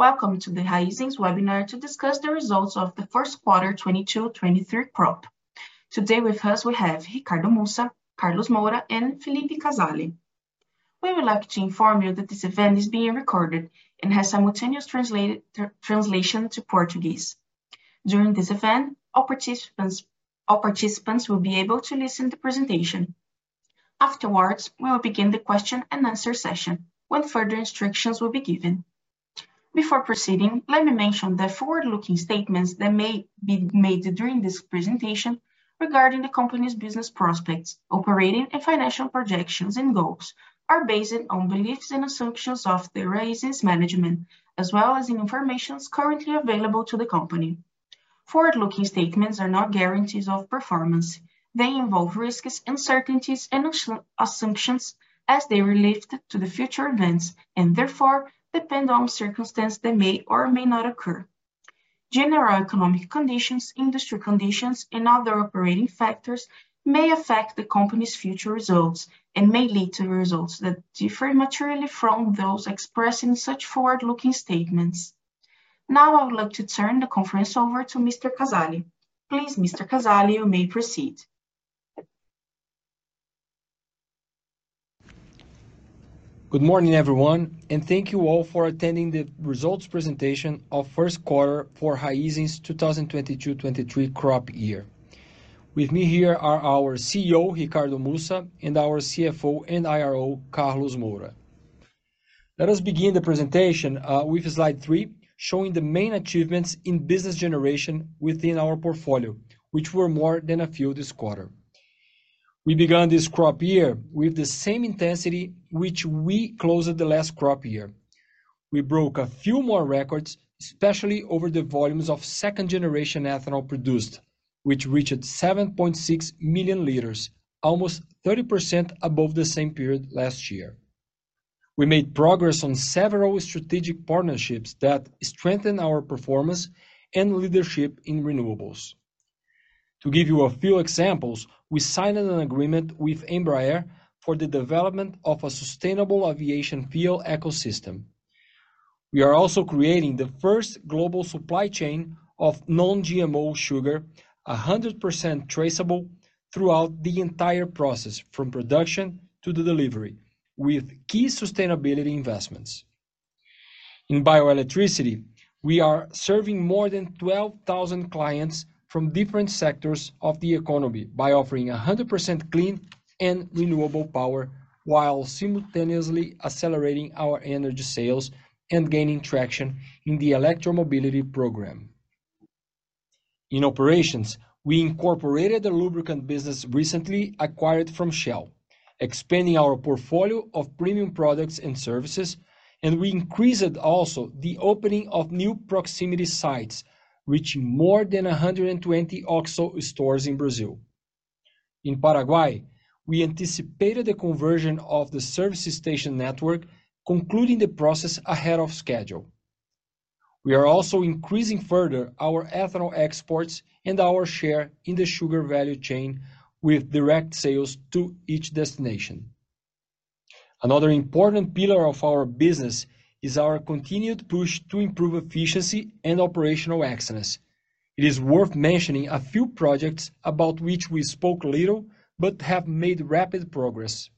Welcome to the Raízen's webinar to discuss the results of the first quarter 2022-2023 crop. Today with us we have Ricardo Mussa, Carlos Moura, and Felipe Casali. We would like to inform you that this event is being recorded and has simultaneous translation to Portuguese. During this event, all participants will be able to listen to presentation. Afterwards, we will begin the question and answer session when further instructions will be given. Before proceeding, let me mention that forward-looking statements that may be made during this presentation regarding the company's business prospects, operating and financial projections and goals are based on beliefs and assumptions of the Raízen's management, as well as the information currently available to the company. Forward-looking statements are not guarantees of performance. They involve risks, uncertainties and assumptions as they relate to the future events, and therefore depend on circumstances that may or may not occur. General economic conditions, industry conditions, and other operating factors may affect the company's future results and may lead to results that differ materially from those expressing such forward-looking statements. Now, I would like to turn the conference over to Mr. Casali. Please, Mr. Casali, you may proceed. Good morning, everyone, and thank you all for attending the results presentation of first quarter for Raízen's 2022/2023 crop year. With me here are our CEO, Ricardo Mussa, and our CFO and IRO, Carlos Moura. Let us begin the presentation with slide three, showing the main achievements in business generation within our portfolio, which were more than a few this quarter. We began this crop year with the same intensity which we closed the last crop year. We broke a few more records, especially over the volumes of second generation ethanol produced, which reached 7.6 million liters, almost 30% above the same period last year. We made progress on several strategic partnerships that strengthen our performance and leadership in renewables. To give you a few examples, we signed an agreement with Embraer for the development of a sustainable aviation fuel ecosystem. We are also creating the first global supply chain of non-GMO sugar, 100% traceable throughout the entire process, from production to the delivery, with key sustainability investments. In bioelectricity, we are serving more than 12,000 clients from different sectors of the economy by offering 100% clean and renewable power while simultaneously accelerating our energy sales and gaining traction in the electromobility program. In operations, we incorporated the lubricant business recently acquired from Shell, expanding our portfolio of premium products and services, and we increased also the opening of new proximity sites, reaching more than 120 OXXO stores in Brazil. In Paraguay, we anticipated the conversion of the service station network, concluding the process ahead of schedule. We are also increasing further our ethanol exports and our share in the sugar value chain with direct sales to each destination. Another important pillar of our business is our continued push to improve efficiency and operational excellence. It is worth mentioning a few projects about which we spoke little but have made rapid progress.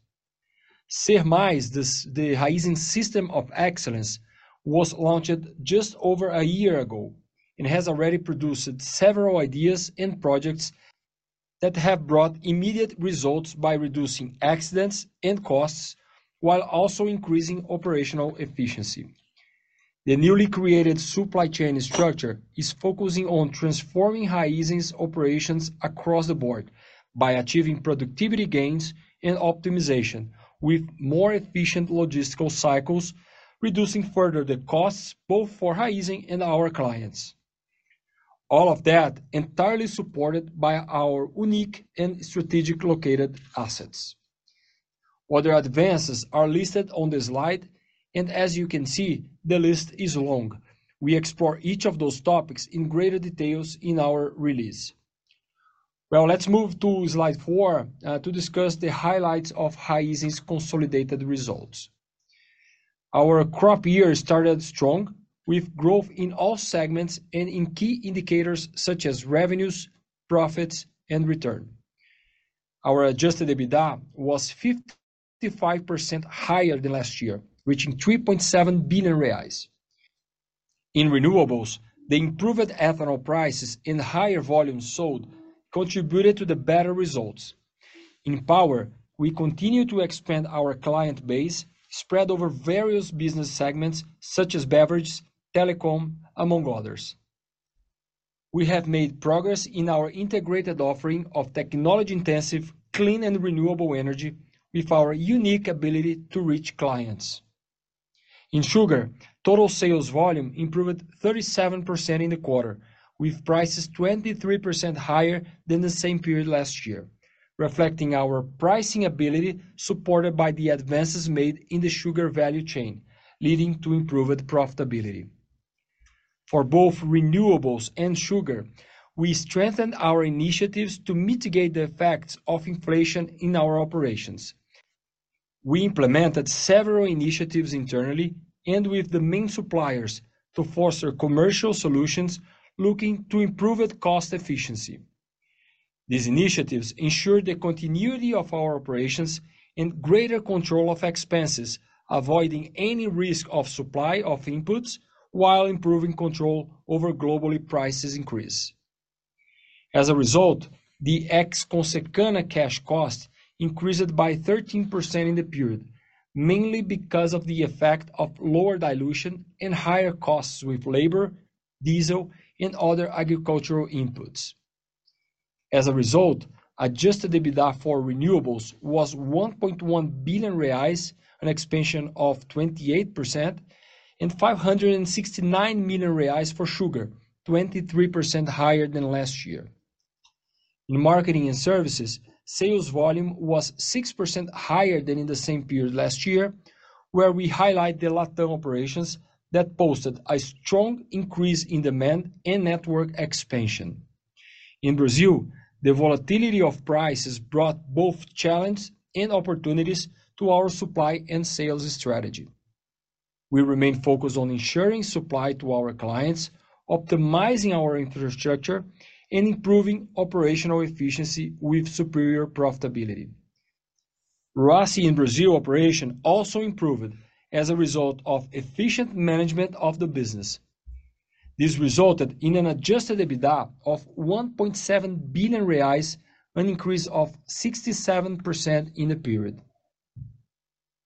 SER+, the Raízen system of excellence, was launched just over a year ago and has already produced several ideas and projects that have brought immediate results by reducing accidents and costs while also increasing operational efficiency. The newly created supply chain structure is focusing on transforming Raízen's operations across the board by achieving productivity gains and optimization with more efficient logistical cycles, reducing further the costs both for Raízen and our clients. All of that entirely supported by our unique and strategic located assets. Other advances are listed on the slide, and as you can see, the list is long. We explore each of those topics in greater details in our release. Well, let's move to slide four to discuss the highlights of Raízen's consolidated results. Our crop year started strong with growth in all segments and in key indicators such as revenues, profits, and return. Our adjusted EBITDA was 55% higher than last year, reaching 3.7 billion reais. In renewables, the improved ethanol prices and higher volumes sold contributed to the better results. In power, we continue to expand our client base spread over various business segments such as beverages, telecom, among others. We have made progress in our integrated offering of technology intensive, clean and renewable energy with our unique ability to reach clients. In sugar, total sales volume improved 37% in the quarter, with prices 23% higher than the same period last year, reflecting our pricing ability supported by the advances made in the sugar value chain, leading to improved profitability. For both renewables and sugar, we strengthened our initiatives to mitigate the effects of inflation in our operations. We implemented several initiatives internally and with the main suppliers to foster commercial solutions looking to improve our cost efficiency. These initiatives ensure the continuity of our operations and greater control of expenses, avoiding any risk of supply of inputs while improving control over global price increases. As a result, the ex-Consecana cash cost increased by 13% in the period, mainly because of the effect of lower dilution and higher costs with labor, diesel, and other agricultural inputs. As a result, adjusted EBITDA for renewables was 1.1 billion reais, an expansion of 28%, and 569 million reais for sugar, 23% higher than last year. In Marketing and Services, sales volume was 6% higher than in the same period last year, where we highlight the LatAm operations that posted a strong increase in demand and network expansion. In Brazil, the volatility of prices brought both challenge and opportunities to our supply and sales strategy. We remain focused on ensuring supply to our clients, optimizing our infrastructure, and improving operational efficiency with superior profitability. RAAS in Brazil operation also improved as a result of efficient management of the business. This resulted in an adjusted EBITDA of 1.7 billion reais, an increase of 67% in the period.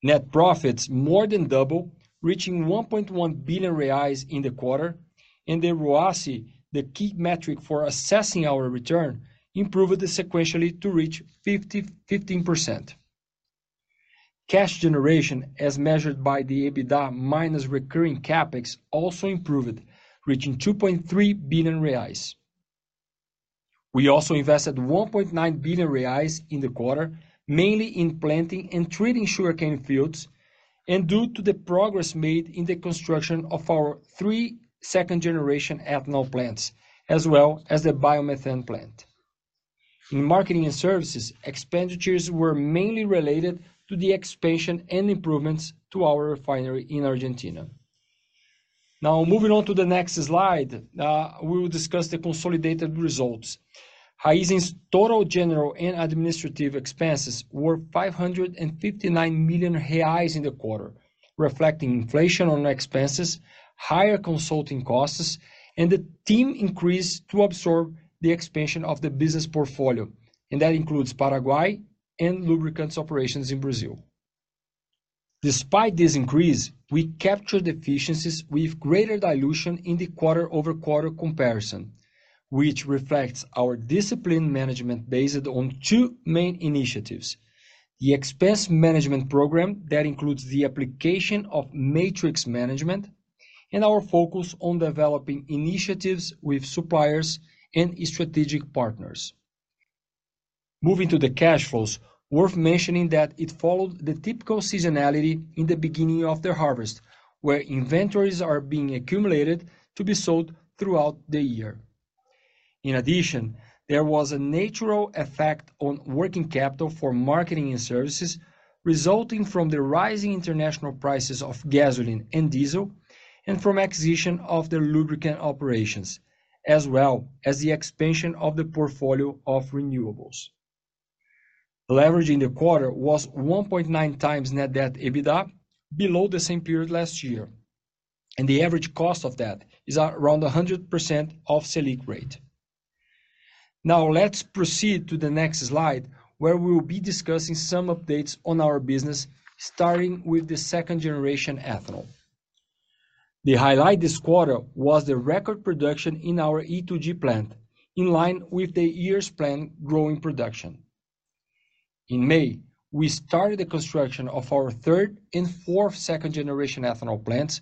Net profits more than doubled, reaching 1.1 billion reais in the quarter, and the ROAC, the key metric for assessing our return, improved sequentially to reach 51.5%. Cash generation, as measured by the EBITDA minus recurring CapEx, also improved, reaching 2.3 billion reais. We also invested 1.9 billion reais in the quarter, mainly in planting and treating sugarcane fields, and due to the progress made in the construction of our three second-generation ethanol plants, as well as the biomethane plant. In marketing and services, expenditures were mainly related to the expansion and improvements to our refinery in Argentina. Now, moving on to the next slide, we will discuss the consolidated results. Raízen's total general and administrative expenses were 559 million reais in the quarter, reflecting inflation on expenses, higher consulting costs, and the team increase to absorb the expansion of the business portfolio, and that includes Paraguay and lubricants operations in Brazil. Despite this increase, we captured efficiencies with greater dilution in the quarter-over-quarter comparison, which reflects our disciplined management based on two main initiatives, the Expense Management Program that includes the application of matrix management and our focus on developing initiatives with suppliers and strategic partners. Moving to the cash flows, it's worth mentioning that it followed the typical seasonality in the beginning of the harvest, where inventories are being accumulated to be sold throughout the year. In addition, there was a natural effect on working capital for Marketing and Services resulting from the rising international prices of gasoline and diesel and from acquisition of the lubricant operations, as well as the expansion of the portfolio of renewables. Leverage in the quarter was 1.9 times net debt EBITDA below the same period last year, and the average cost of that is around 100% of Selic rate. Now let's proceed to the next slide, where we will be discussing some updates on our business, starting with the second-generation ethanol. The highlight this quarter was the record production in our E2G plant, in line with the year's plan growing production. In May, we started the construction of our third and fourth second-generation ethanol plants,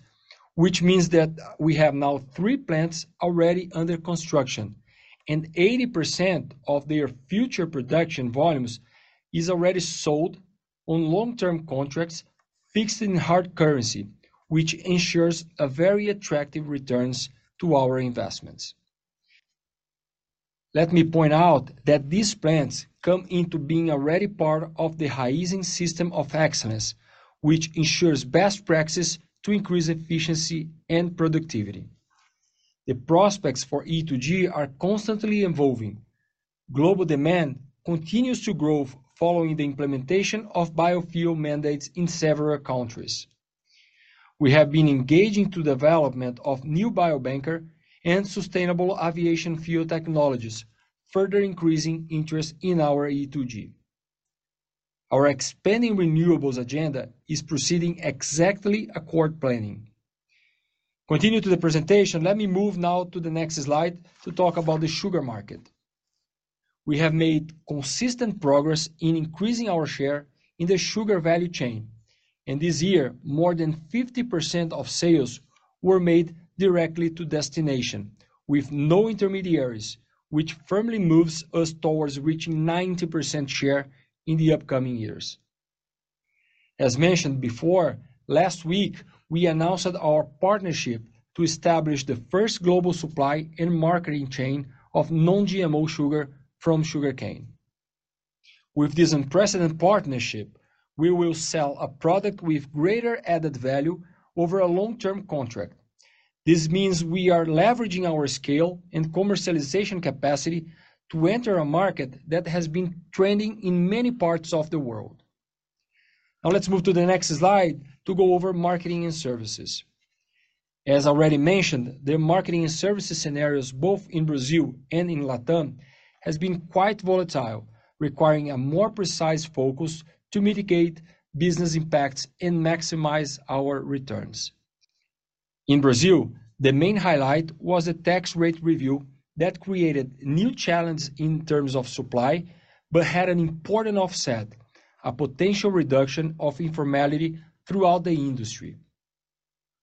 which means that we have now three plants already under construction and 80% of their future production volumes is already sold on long-term contracts fixed in hard currency, which ensures a very attractive returns to our investments. Let me point out that these plants come into being already part of the Raízen System of Excellence, which ensures best practices to increase efficiency and productivity. The prospects for E2G are constantly evolving. Global demand continues to grow following the implementation of biofuel mandates in several countries. We have been engaging in development of new bio-based and sustainable aviation fuel technologies, further increasing interest in our E2G. Our expanding renewables agenda is proceeding exactly according to plan. Continuing the presentation, let me move now to the next slide to talk about the sugar market. We have made consistent progress in increasing our share in the sugar value chain, and this year, more than 50% of sales were made directly to destination with no intermediaries, which firmly moves us towards reaching 90% share in the upcoming years. As mentioned before, last week, we announced our partnership to establish the first global supply and marketing chain of non-GMO sugar from sugarcane. With this unprecedented partnership, we will sell a product with greater added value over a long-term contract. This means we are leveraging our scale and commercialization capacity to enter a market that has been trending in many parts of the world. Now let's move to the next slide to go over Marketing and Services. As already mentioned, the Marketing and Services scenarios both in Brazil and in Latam has been quite volatile, requiring a more precise focus to mitigate business impacts and maximize our returns. In Brazil, the main highlight was a tax rate review that created new challenges in terms of supply, but had an important offset, a potential reduction of informality throughout the industry.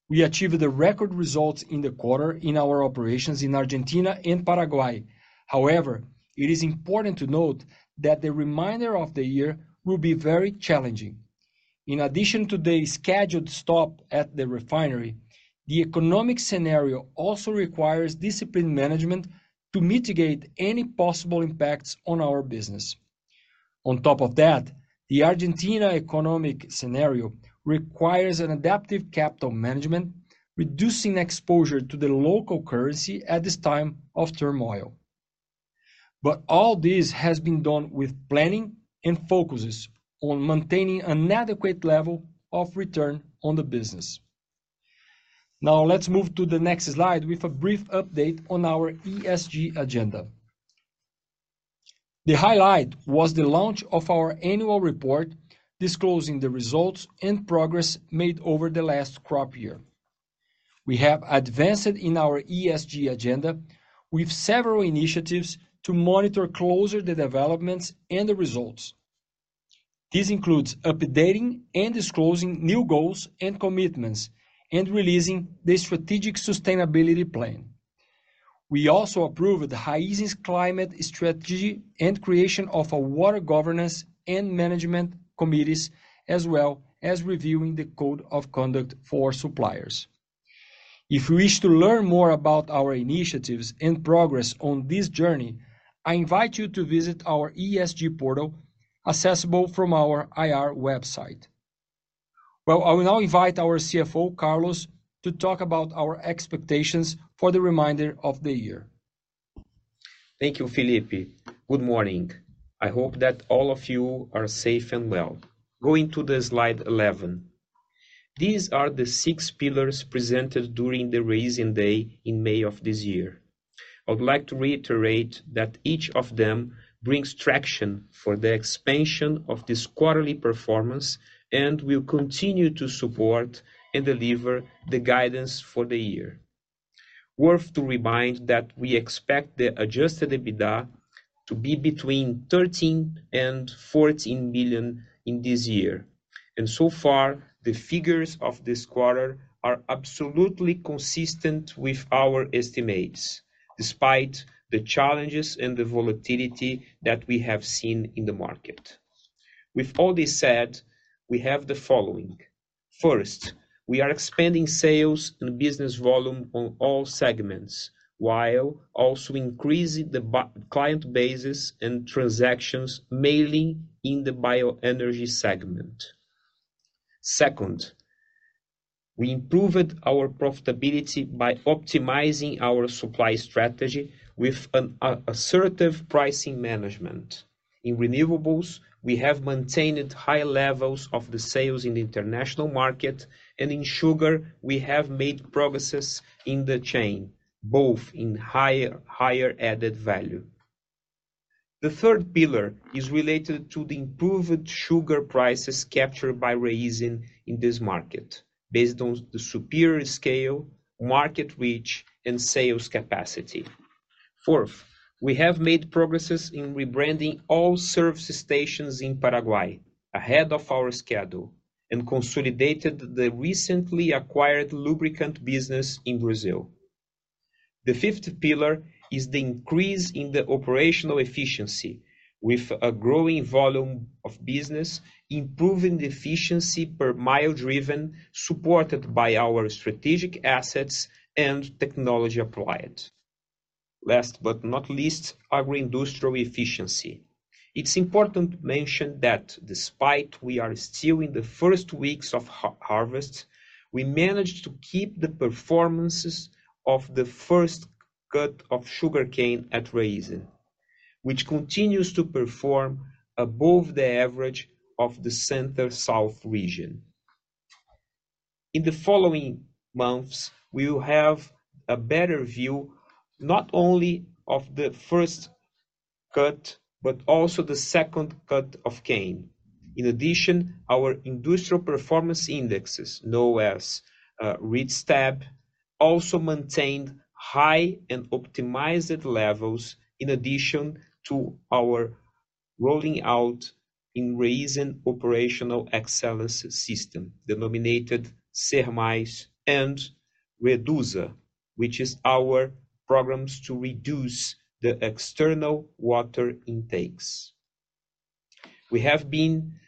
We achieved the record results in the quarter in our operations in Argentina and Paraguay. However, it is important to note that the remainder of the year will be very challenging. In addition to the scheduled stop at the refinery, the economic scenario also requires disciplined management to mitigate any possible impacts on our business. On top of that, the Argentina economic scenario requires an adaptive capital management, reducing exposure to the local currency at this time of turmoil. All this has been done with planning and focuses on maintaining an adequate level of return on the business. Now let's move to the next slide with a brief update on our ESG agenda. The highlight was the launch of our annual report disclosing the results and progress made over the last crop year. We have advanced in our ESG agenda with several initiatives to monitor closer the developments and the results. This includes updating and disclosing new goals and commitments and releasing the strategic sustainability plan. We also approved Raízen's climate strategy and creation of a water governance and management committees, as well as reviewing the code of conduct for suppliers. If you wish to learn more about our initiatives and progress on this journey, I invite you to visit our ESG portal accessible from our IR website. Well, I will now invite our CFO, Carlos, to talk about our expectations for the remainder of the year. Thank you, Felipe. Good morning. I hope that all of you are safe and well. Going to the slide 11. These are the six pillars presented during the Raízen Day in May of this year. I would like to reiterate that each of them brings traction for the expansion of this quarterly performance and will continue to support and deliver the guidance for the year. Worth to remind that we expect the adjusted EBITDA to be between 13 billion and 14 billion in this year, and so far, the figures of this quarter are absolutely consistent with our estimates, despite the challenges and the volatility that we have seen in the market. With all this said, we have the following. First, we are expanding sales and business volume on all segments, while also increasing the client bases and transactions, mainly in the bioenergy segment. Second, we improved our profitability by optimizing our supply strategy with an assertive pricing management. In renewables, we have maintained high levels of the sales in the international market and in sugar, we have made progress in the chain, both in higher added value. The third pillar is related to the improved sugar prices captured by Raízen in this market based on the superior scale, market reach, and sales capacity. Fourth, we have made progress in rebranding all service stations in Paraguay ahead of our schedule and consolidated the recently acquired lubricant business in Brazil. The fifth pillar is the increase in the operational efficiency with a growing volume of business, improving the efficiency per mile driven, supported by our strategic assets and technology applied. Last but not least, agro-industrial efficiency. It's important to mention that despite we are still in the first weeks of harvest, we managed to keep the performances of the first cut of sugarcane at Raízen, which continues to perform above the average of the Center-South region. In the following months, we will have a better view, not only of the first cut but also the second cut of cane. In addition, our industrial performance indexes, known as RIT/STAB, also maintained high and optimized levels in addition to our rolling out in Raízen operational excellence system, denominated SER+ and ReduZa, which is our programs to reduce the external water intakes. We have been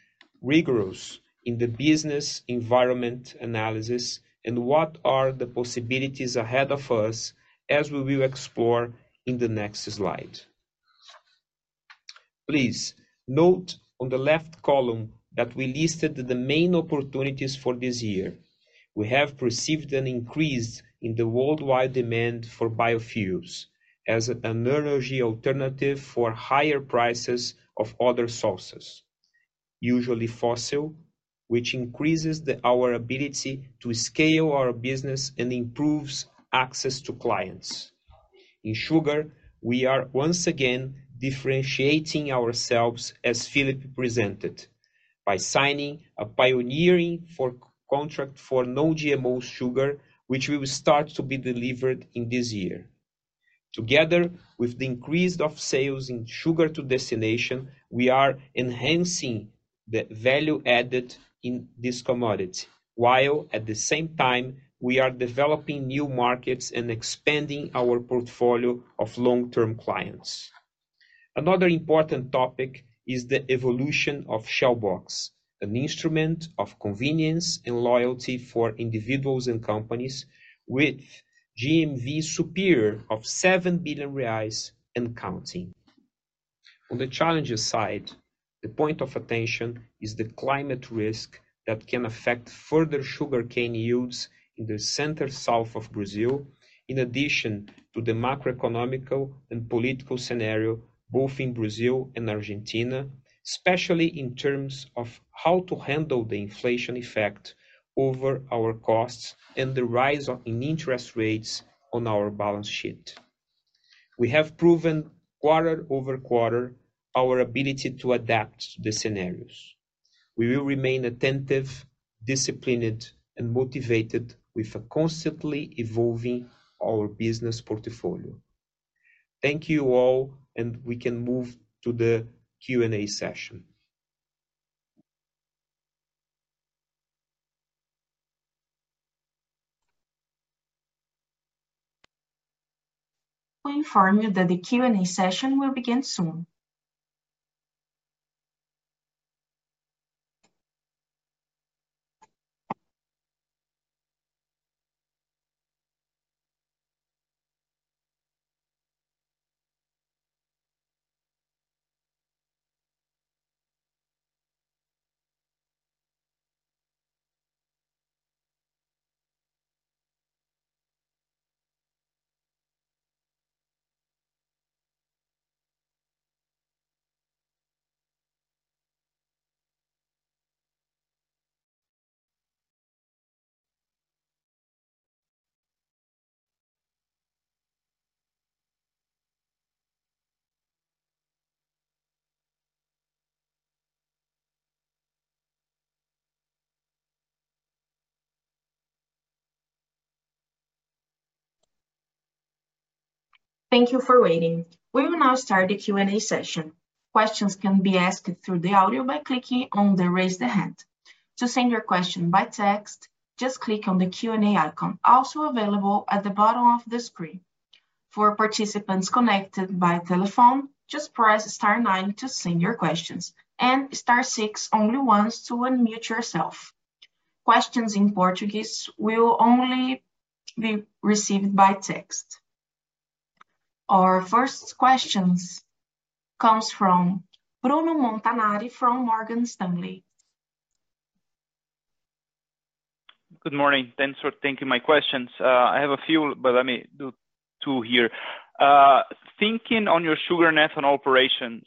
rigorous in the business environment analysis and what are the possibilities ahead of us as we will explore in the next slide. Please note on the left column that we listed the main opportunities for this year. We have perceived an increase in the worldwide demand for biofuels as an energy alternative for higher prices of other sources, usually fossil, which increases our ability to scale our business and improves access to clients. In sugar, we are once again differentiating ourselves, as Felipe presented, by signing a pioneering forward contract for no GMO sugar, which will start to be delivered in this year. Together with the increase in sales in sugar to destination, we are enhancing the value added in this commodity, while at the same time we are developing new markets and expanding our portfolio of long-term clients. Another important topic is the evolution of Shell Box, an instrument of convenience and loyalty for individuals and companies with GMV superior to 7 billion reais and counting. On the challenges side, the point of attention is the climate risk that can affect further sugarcane yields in the Center-South of Brazil, in addition to the macroeconomic and political scenario, both in Brazil and Argentina, especially in terms of how to handle the inflation effect over our costs and the rise of, in interest rates on our balance sheet. We have proven quarter-over-quarter our ability to adapt the scenarios. We will remain attentive, disciplined, and motivated with a constantly evolving our business portfolio. Thank you all, and we can move to the Q&A session. We inform you that the Q&A session will begin soon. Thank you for waiting. We will now start the Q&A session. Questions can be asked through the audio by clicking on the Raise the Hand. To send your question by text, just click on the Q&A icon also available at the bottom of the screen. For participants connected by telephone, just press star nine to send your questions and star six only once to unmute yourself. Questions in Portuguese will only be received by text. Our first question comes from Bruno Montanari from Morgan Stanley. Good morning. Thanks for taking my questions. I have a few, but let me do two here. Thinking on your sugar national operations,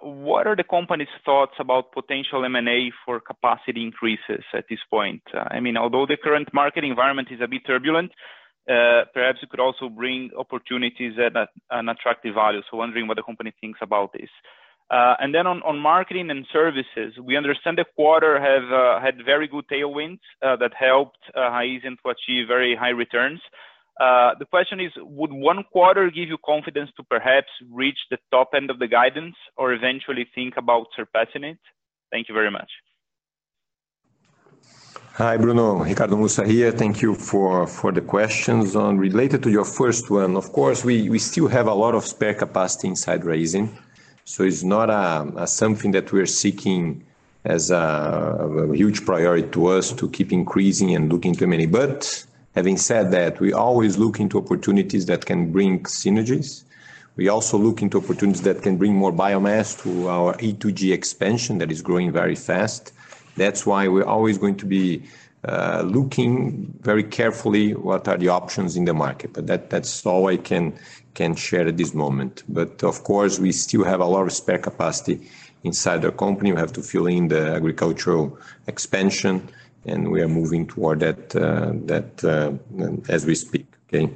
what are the company's thoughts about potential M&A for capacity increases at this point? I mean, although the current market environment is a bit turbulent, perhaps it could also bring opportunities at an attractive value. Wondering what the company thinks about this. And then on Marketing and Services, we understand the quarter have had very good tailwinds that helped Raízen to achieve very high returns. The question is, would one quarter give you confidence to perhaps reach the top end of the guidance or eventually think about surpassing it? Thank you very much. Hi, Bruno. Ricardo Mussa here. Thank you for the questions. Regarding your first one, of course we still have a lot of spare capacity inside Raízen, so it's not something that we're seeking as a huge priority to us to keep increasing and looking to M&A. Having said that, we always look into opportunities that can bring synergies. We also look into opportunities that can bring more biomass to our E2G expansion that is growing very fast. That's why we're always going to be looking very carefully what are the options in the market. That, that's all I can share at this moment. Of course, we still have a lot of spare capacity inside our company. We have to fill in the agricultural expansion, and we are moving toward that as we speak. Okay.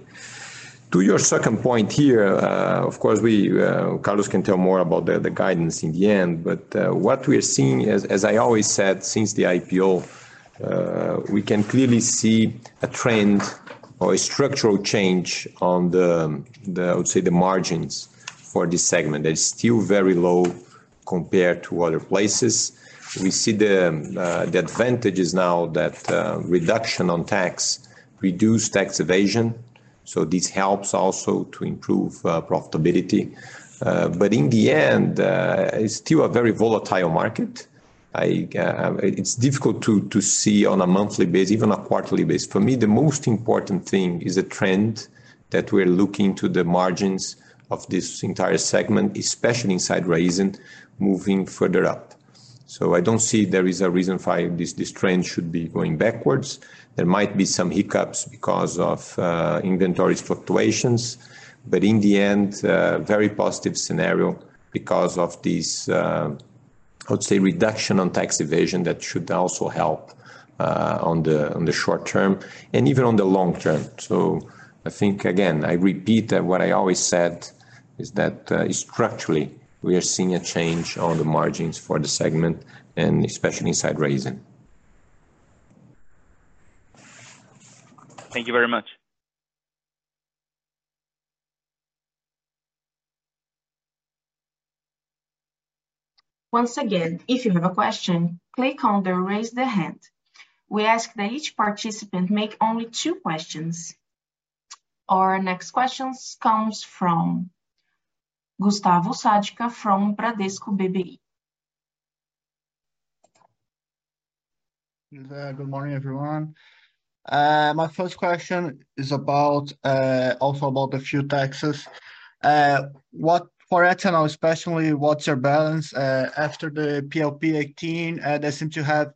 To your second point here, of course, Carlos can tell more about the guidance in the end, but what we're seeing as I always said since the IPO, we can clearly see a trend or a structural change on the margins for this segment. That is still very low compared to other places. We see the advantages now that reduction on tax, reduced tax evasion. This helps also to improve profitability. In the end, it's still a very volatile market. It's difficult to see on a monthly basis, even a quarterly basis. For me, the most important thing is the trend that we're looking to the margins of this entire segment, especially inside Raízen moving further up. I don't see there is a reason why this trend should be going backwards. There might be some hiccups because of inventory fluctuations, but in the end, very positive scenario because of this, I would say reduction on tax evasion that should also help on the short term and even on the long term. I think again, I repeat what I always said is that structurally, we are seeing a change on the margins for the segment and especially inside Raízen. Thank you very much. Once again, if you have a question, click on the raise the hand. We ask that each participant make only two questions. Our next question comes from Gustavo Sadka from Bradesco BBI. Good morning, everyone. My first question is about also about the fuel taxes. What for ethanol especially, what's your balance after the PLP 18? There seem to have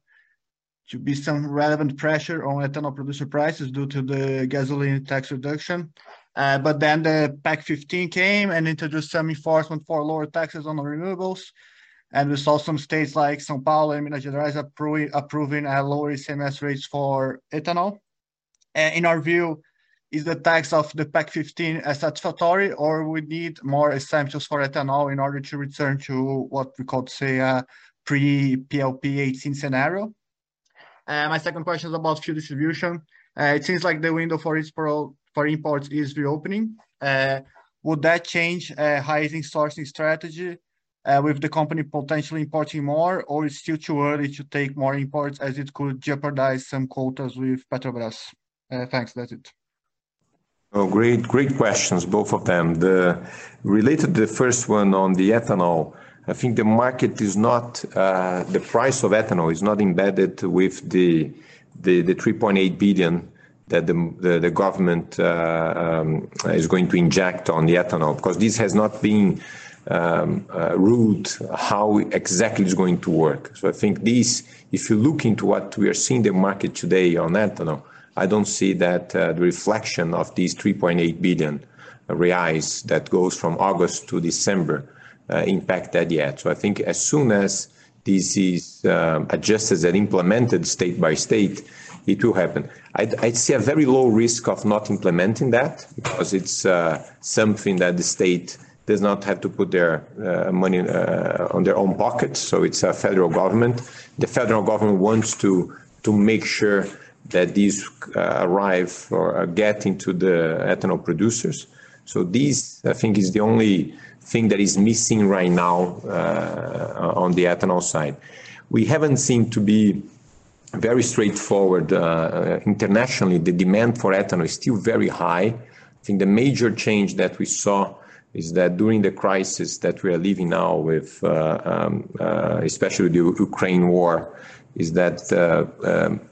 to be some relevant pressure on ethanol producer prices due to the gasoline tax reduction. The PEC 15 came and introduced some enforcement for lower taxes on the renewables, and we saw some states like São Paulo and Minas Gerais approving a lower ICMS rates for ethanol. In our view, is the tax of the PEC 15 as satisfactory, or we need more exemptions for ethanol in order to return to what we could say pre-PLP 18 scenario? My second question is about fuel distribution. It seems like the window for its for imports is reopening. Would that change Raízen sourcing strategy with the company potentially importing more, or is it still too early to take more imports as it could jeopardize some quotas with Petrobras? Thanks. That's it. Oh, great questions, both of them. Regarding the first one on the ethanol, I think the market is not, the price of ethanol is not embedded with the 3.8 billion that the government is going to inject on the ethanol because this has not been ruled how exactly it's going to work. I think this, if you look into what we are seeing in the market today on ethanol, I don't see that the reflection of these 3.8 billion reais that goes from August to December, impacted yet. I think as soon as this is adjusted and implemented state by state, it will happen. I'd say a very low risk of not implementing that because it's something that the state does not have to put their money out of their own pockets, so it's the federal government. The federal government wants to make sure that these arrive or get to the ethanol producers. This, I think, is the only thing that is missing right now on the ethanol side. We have seen it to be very straightforward. Internationally, the demand for ethanol is still very high. I think the major change that we saw is that during the crisis that we are living now with, especially the Ukraine war, is that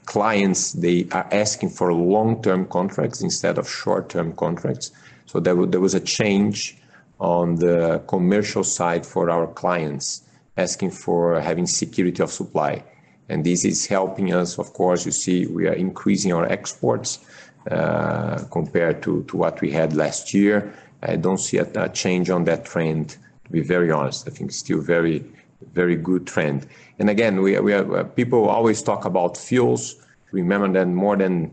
clients they are asking for long-term contracts instead of short-term contracts. There was a change on the commercial side for our clients asking to have security of supply. This is helping us, of course, you see we are increasing our exports, compared to what we had last year. I don't see a change on that trend, to be very honest. I think it's still a very good trend. Again, people always talk about fuels. Remember that more than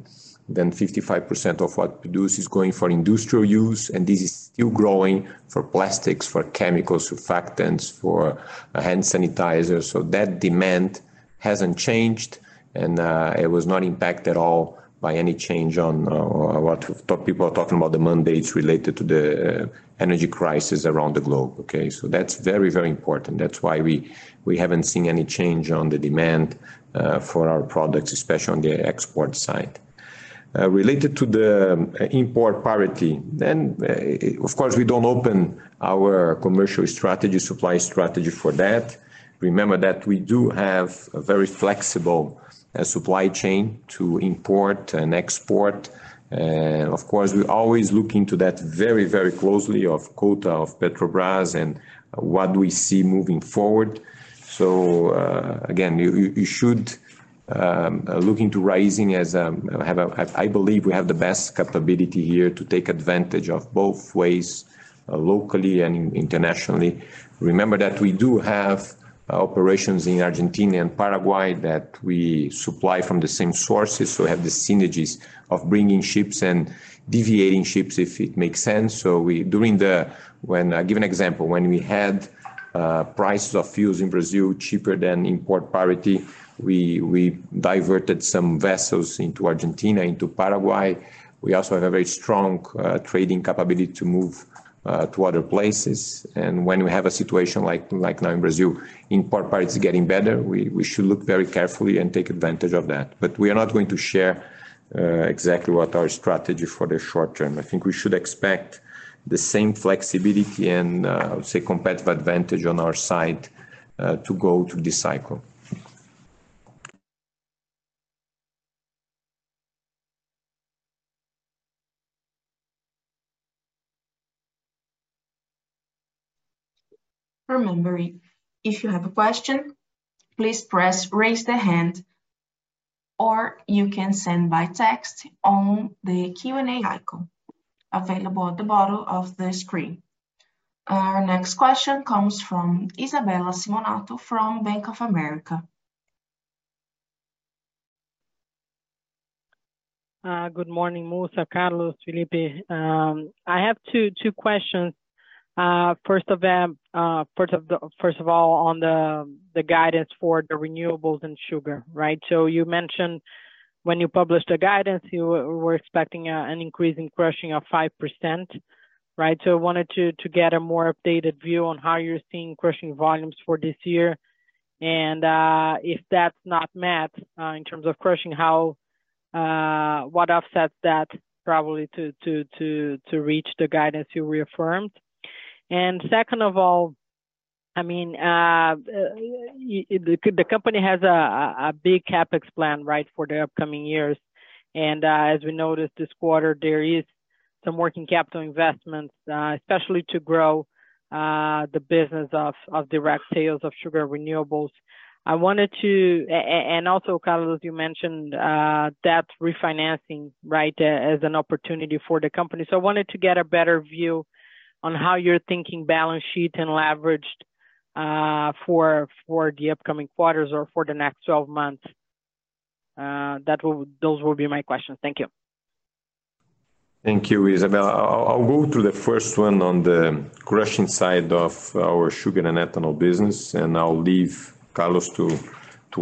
55% of what we produce is going for industrial use, and this is still growing for plastics, for chemical surfactants, for hand sanitizers. That demand hasn't changed, and it was not impacted at all by any change on what people are talking about the mandates related to the energy crisis around the globe. Okay. That's very important. That's why we haven't seen any change on the demand for our products, especially on the export side. Related to the import parity, then, of course, we don't open our commercial strategy, supply strategy for that. Remember that we do have a very flexible supply chain to import and export. Of course, we always look into that very, very closely, the quota of Petrobras and what we see moving forward. Again, you should look into Raízen as I believe we have the best capability here to take advantage of both ways, locally and internationally. Remember that we do have operations in Argentina and Paraguay that we supply from the same sources, so we have the synergies of bringing ships and deviating ships if it makes sense. I'll give an example. When we had prices of fuels in Brazil cheaper than import parity, we diverted some vessels into Argentina, into Paraguay. We also have a very strong trading capability to move to other places. When we have a situation like now in Brazil, import parity is getting better, we should look very carefully and take advantage of that. We are not going to share exactly what our strategy for the short term. I think we should expect the same flexibility and I would say competitive advantage on our side to go through this cycle. Remember, if you have a question, please press Raise the Hand, or you can send by text on the Q&A icon available at the bottom of the screen. Our next question comes from Isabella Simonato from Bank of America. Good morning, Mussa, Carlos, Felipe. I have two questions. First of all, on the guidance for the renewables and sugar, right? You mentioned when you published the guidance, you were expecting an increase in crushing of 5%, right? I wanted to get a more updated view on how you're seeing crushing volumes for this year, and if that's not met in terms of crushing, how what offsets that probably to reach the guidance you reaffirmed. Second of all, I mean, the company has a big CapEx plan, right, for the upcoming years. As we noticed this quarter, there is some working capital investments, especially to grow the business of direct sales of sugar renewables. I wanted to and also, Carlos, you mentioned debt refinancing, right, as an opportunity for the company. I wanted to get a better view on how you're thinking balance sheet and leveraged for the upcoming quarters or for the next 12 months. Those will be my questions. Thank you. Thank you, Isabella. I'll go to the first one on the crushing side of our sugar and ethanol business, and I'll leave Carlos to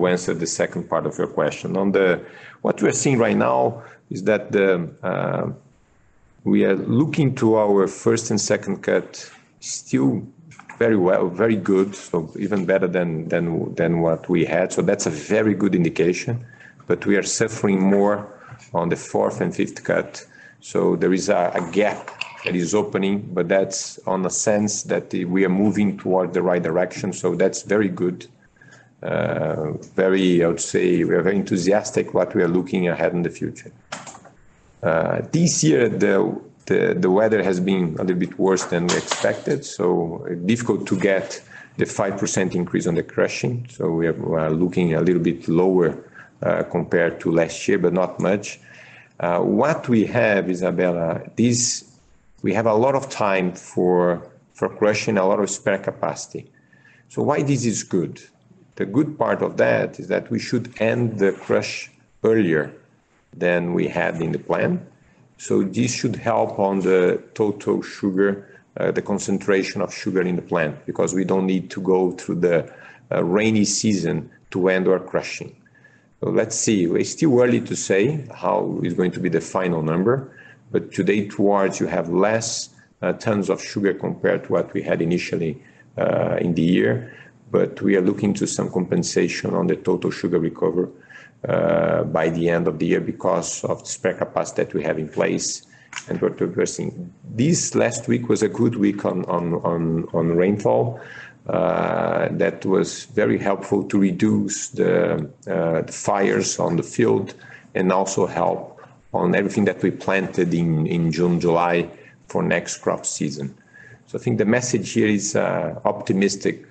answer the second part of your question. What we are seeing right now is that we are looking to our first and second cut still very well, very good, so even better than what we had. That's a very good indication. We are suffering more on the fourth and fifth cut, so there is a gap that is opening, that's on the sense that we are moving toward the right direction. That's very good. Very, I would say, we are very enthusiastic what we are looking ahead in the future. This year the weather has been a little bit worse than we expected, so difficult to get the 5% increase on the crushing. We are looking a little bit lower compared to last year, but not much. What we have, Isabella, is we have a lot of time for crushing, a lot of spare capacity. Why this is good? The good part of that is that we should end the crush earlier than we had in the plan. This should help on the total sugar, the concentration of sugar in the plant, because we don't need to go through the rainy season to end our crushing. Let's see. It's still early to say how it's going to be the final number, but today we have less tons of sugar compared to what we had initially in the year. We are looking to some compensation on the total sugar recovery by the end of the year because of the spare capacity that we have in place and what we're seeing. This last week was a good week on rainfall. That was very helpful to reduce the fires on the field and also help on everything that we planted in June, July for next crop season. I think the message here is optimistic.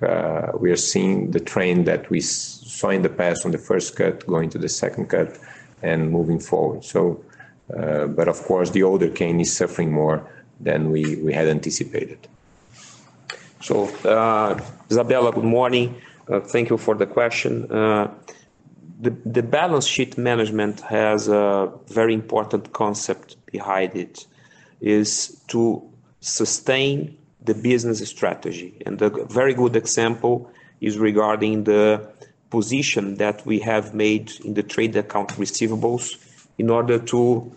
We are seeing the trend that we saw in the past on the first cut, going to the second cut and moving forward. Of course, the older cane is suffering more than we had anticipated. Isabella, good morning. Thank you for the question. The balance sheet management has a very important concept behind it, is to sustain the business strategy. The very good example is regarding the position that we have made in the trade account receivables in order to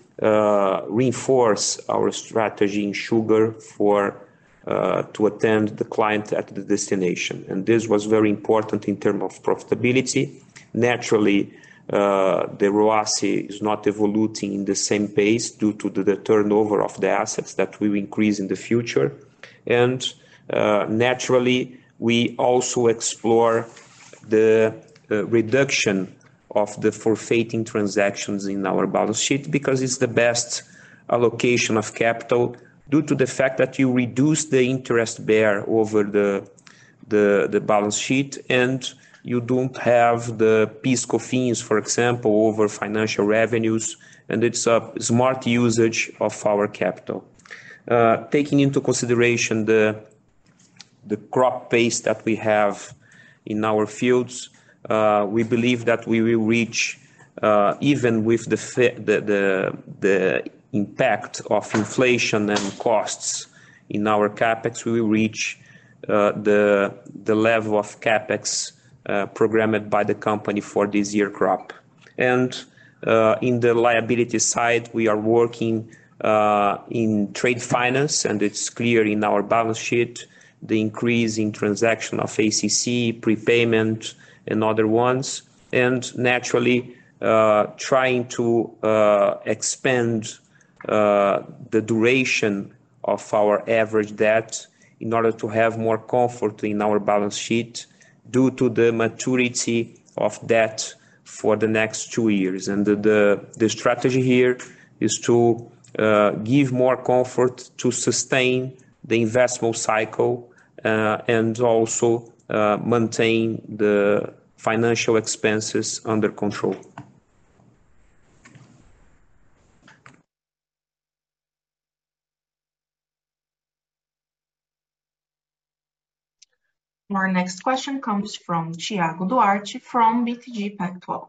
reinforce our strategy in sugar to attend the client at the destination. This was very important in terms of profitability. Naturally, the ROAC is not evolving at the same pace due to the turnover of the assets that we will increase in the future. Naturally, we also explore the reduction of the forfaiting transactions in our balance sheet because it's the best allocation of capital due to the fact that you reduce the interest-bearing over the balance sheet, and you don't have the PIS/COFINS, for example, over financial revenues, and it's a smart usage of our capital. Taking into consideration the crop base that we have in our fields, we believe that we will reach, even with the impact of inflation and costs in our CapEx, we will reach the level of CapEx programmed by the company for this year crop. In the liability side, we are working in trade finance, and it's clear in our balance sheet the increase in transaction of ACC, prepayment, and other ones, and naturally, trying to expand the duration. Of our average debt in order to have more comfort in our balance sheet due to the maturity of debt for the next two years. The strategy here is to give more comfort to sustain the investment cycle, and also maintain the financial expenses under control. Our next question comes from Thiago Duarte from BTG Pactual.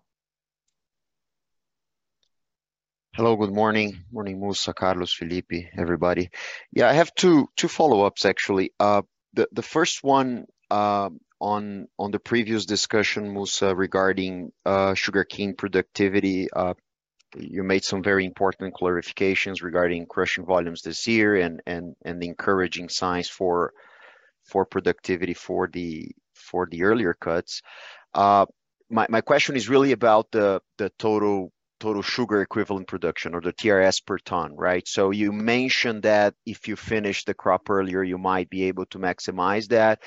Hello, good morning. Morning, Mussa, Carlos, Felipe, everybody. Yeah, I have two follow-ups actually. The first one on the previous discussion, Mussa, regarding sugarcane productivity. You made some very important clarifications regarding crushing volumes this year and the encouraging signs for productivity for the earlier cuts. My question is really about the total sugar equivalent production or the TRS per ton, right? You mentioned that if you finish the crop earlier, you might be able to maximize that,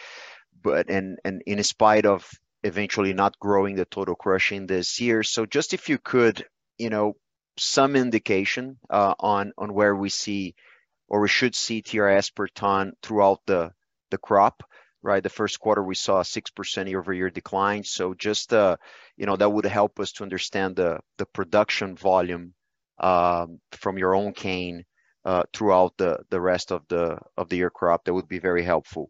but in spite of eventually not growing the total crushing this year. Just if you could, you know, some indication on where we see or we should see TRS per ton throughout the crop, right? The first quarter, we saw a 6% year-over-year decline. Just, you know, that would help us to understand the production volume from your own cane throughout the rest of the year crop. That would be very helpful.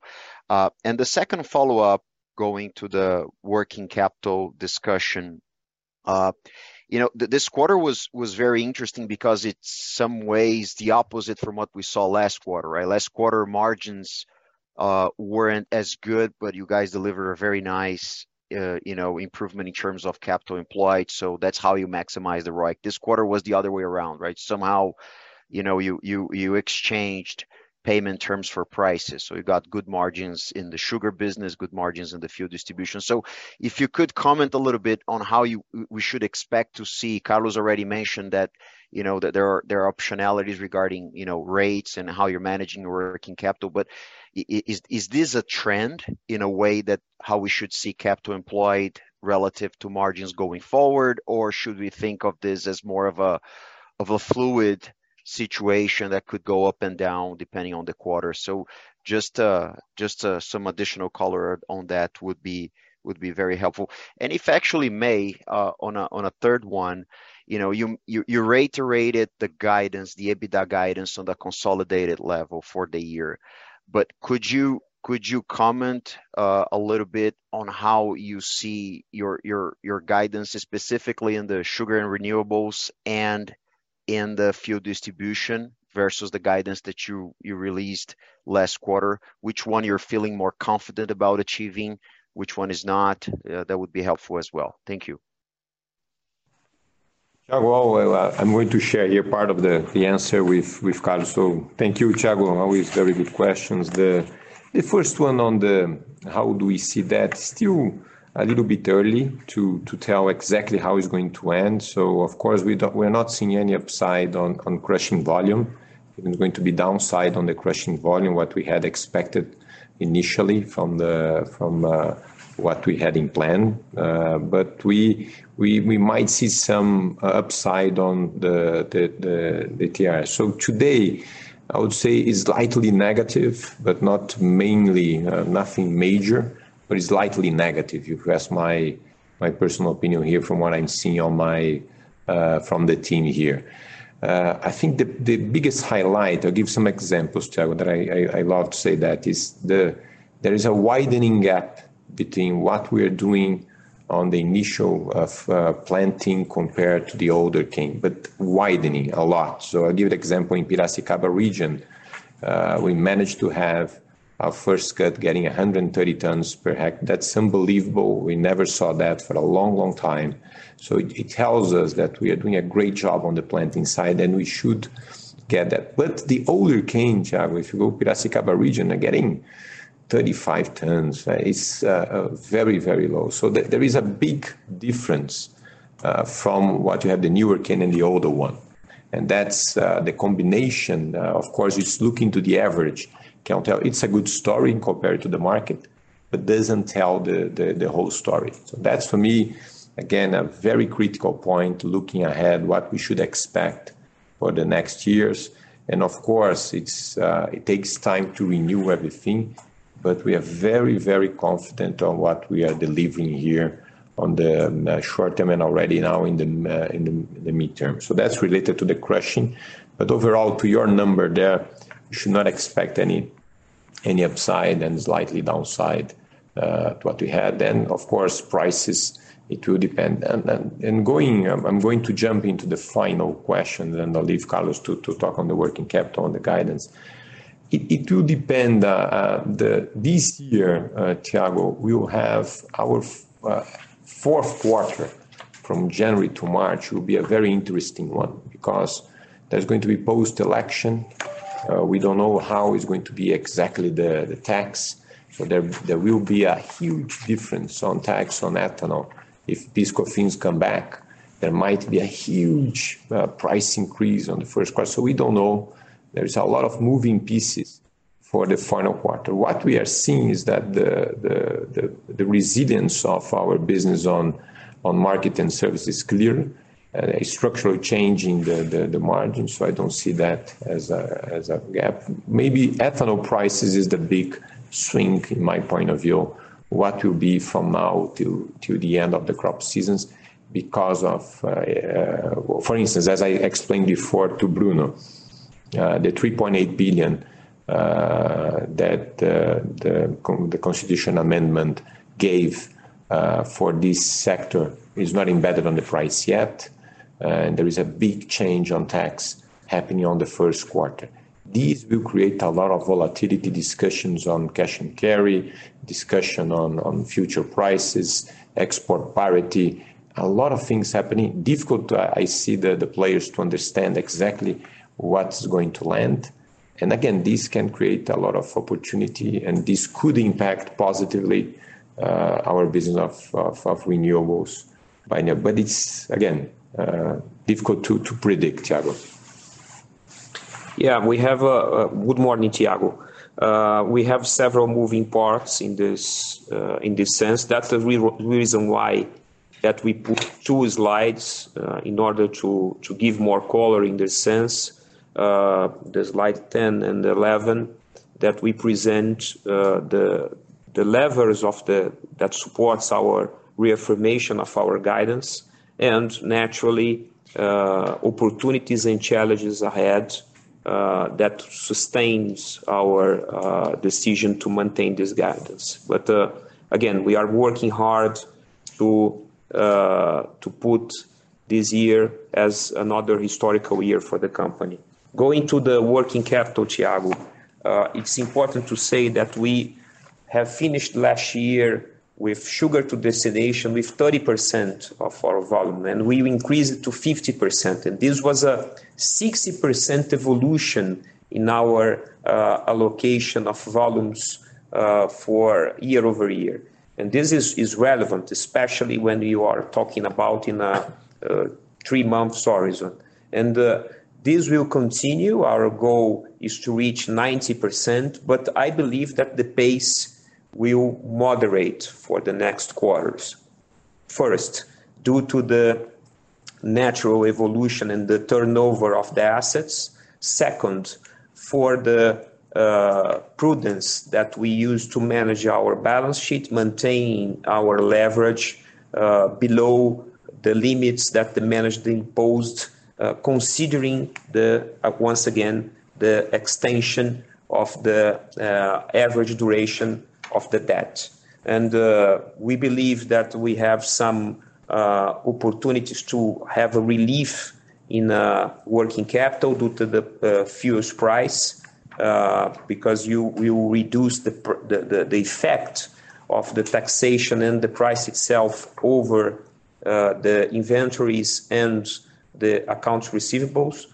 The second follow-up, going to the working capital discussion. You know, this quarter was very interesting because it's in some ways the opposite from what we saw last quarter, right? Last quarter margins weren't as good, but you guys delivered a very nice, you know, improvement in terms of capital employed, so that's how you maximize the ROIC. This quarter was the other way around, right? Somehow, you know, you exchanged payment terms for prices. You got good margins in the sugar business, good margins in the fuel distribution. If you could comment a little bit on how we should expect to see, Carlos already mentioned that, you know, that there are optionalities regarding, you know, rates and how you're managing working capital. Is this a trend in a way that how we should see capital employed relative to margins going forward? Should we think of this as more of a fluid situation that could go up and down depending on the quarter? Just some additional color on that would be very helpful. If I actually may, on a third one, you know, you reiterated the guidance, the EBITDA guidance on the consolidated level for the year. Could you comment a little bit on how you see your guidance specifically in the sugar and renewables and in the fuel distribution versus the guidance that you released last quarter? Which one you're feeling more confident about achieving? Which one is not? That would be helpful as well. Thank you. Thiago, well, I'm going to share here part of the answer with Carlos. Thank you, Thiago. Always very good questions. The first one on how do we see that, still a little bit early to tell exactly how it's going to end. Of course, we're not seeing any upside on crushing volume. It's going to be downside on the crushing volume, what we had expected initially from what we had in plan. But we might see some upside on the TRS. Today, I would say it's slightly negative, but not mainly, nothing major, but it's slightly negative. You've asked my personal opinion here from what I'm seeing from the team here. I think the biggest highlight, I'll give some examples, Thiago, that I love to say that there is a widening gap between what we are doing on the initial of planting compared to the older cane, but widening a lot. I'll give you an example. In Piracicaba region, we managed to have our first cut getting 130 tons per hectare. That's unbelievable. We never saw that for a long, long time. It tells us that we are doing a great job on the planting side, and we should get that. The older cane, Thiago, if you go Piracicaba region, are getting 35 tons. It's very, very low. There is a big difference from what you have the newer cane and the older one. That's the combination. Of course, it's looking to the average. It's a good story compared to the market, but doesn't tell the whole story. That's for me, again, a very critical point looking ahead what we should expect for the next years. Of course, it takes time to renew everything, but we are very confident on what we are delivering here on the short term and already now in the midterm. That's related to the crushing. Overall, to your number there, you should not expect any upside and slightly downside to what we had. Of course, prices, it will depend. I'm going to jump into the final question, then I'll leave Carlos to talk on the working capital and the guidance. It does depend, this year, Thiago, we will have our fourth quarter from January to March will be a very interesting one because there's going to be post-election. We don't know how it's going to be exactly the tax. So there will be a huge difference on tax on ethanol if these things come back. There might be a huge price increase in the first quarter. We don't know. There is a lot of moving parts for the final quarter. What we are seeing is that the resilience of our business on Marketing and Services is clear, a structural change in the margin, so I don't see that as a gap. Maybe ethanol prices is the big swing in my point of view, what will be from now till the end of the crop season because of, for instance, as I explained before to Bruno, the 3.8 billion that the constitutional amendment gave for this sector is not embedded in the price yet. There is a big change on tax happening in the first quarter. These will create a lot of volatility discussions on cash and carry, discussion on future prices, export parity, a lot of things happening. I see the players to understand exactly what's going to land. Again, this can create a lot of opportunity, and this could impact positively our business of renewables by now. But it's again difficult to predict, Thiago. Yeah. Good morning, Thiago. We have several moving parts in this sense. That's the reason why that we put two slides in order to give more color in this sense, slide 10 and 11, that we present the levers that supports our reaffirmation of our guidance and naturally opportunities and challenges ahead that sustains our decision to maintain this guidance. Again, we are working hard to put this year as another historical year for the company. Going to the working capital, Thiago, it's important to say that we have finished last year with sugar to destination with 30% of our volume, and we've increased it to 50%. This was a 60% evolution in our allocation of volumes for year-over-year. This will continue. Our goal is to reach 90%, but I believe that the pace will moderate for the next quarters. First, due to the natural evolution and the turnover of the assets. Second, for the prudence that we use to manage our balance sheet, maintain our leverage below the limits that the management imposed, considering, once again, the extension of the average duration of the debt. We believe that we have some opportunities to have a relief in working capital due to the fuels price, because you reduce the effect of the taxation and the price itself over the inventories and the accounts receivables.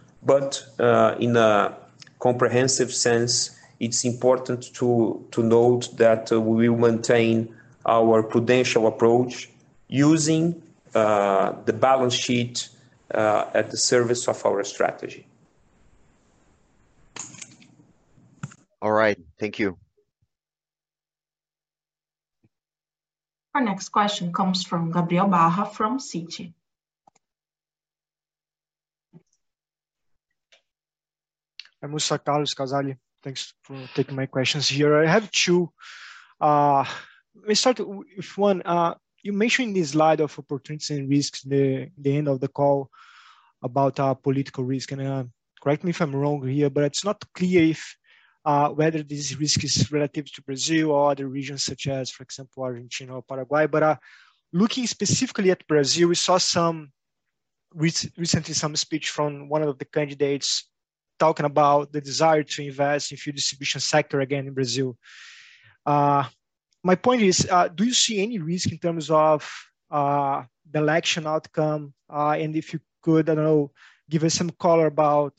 In a comprehensive sense, it's important to note that we will maintain our prudential approach using the balance sheet at the service of our strategy. All right. Thank you. Our next question comes from Gabriel Barra from Citi. Felipe Casali, thanks for taking my questions here. I have two. Let me start with one. You mentioned in the slide of opportunities and risks the end of the call about political risk. Correct me if I'm wrong here, but it's not clear whether this risk is relative to Brazil or other regions such as, for example, Argentina or Paraguay. Looking specifically at Brazil, we saw some recent speech from one of the candidates talking about the desire to invest in fuel distribution sector again in Brazil. My point is, do you see any risk in terms of the election outcome? If you could, I don't know, give us some color about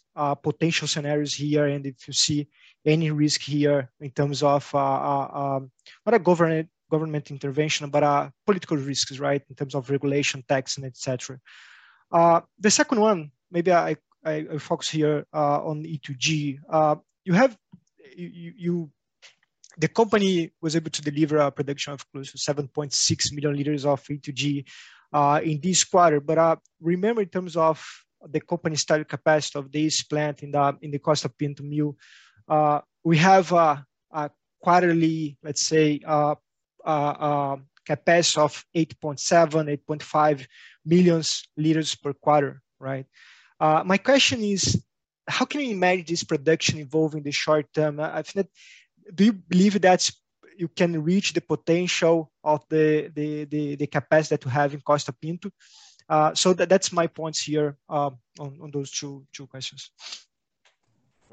potential scenarios here and if you see any risk here in terms of not a government intervention, but political risks, right, in terms of regulation, tax and et cetera. The second one, maybe I focus here on E2G. The company was able to deliver a production of close to 7.6 million liters of E2G in this quarter. Remember in terms of the company's total capacity of this plant in the Costa Pinto mill, we have a quarterly, let's say, capacity of 8.7, 8.5 million liters per quarter, right? My question is: How can we manage this production volume in the short term? I think. Do you believe that you can reach the potential of the capacity to have in Costa Pinto? That's my points here, on those two questions.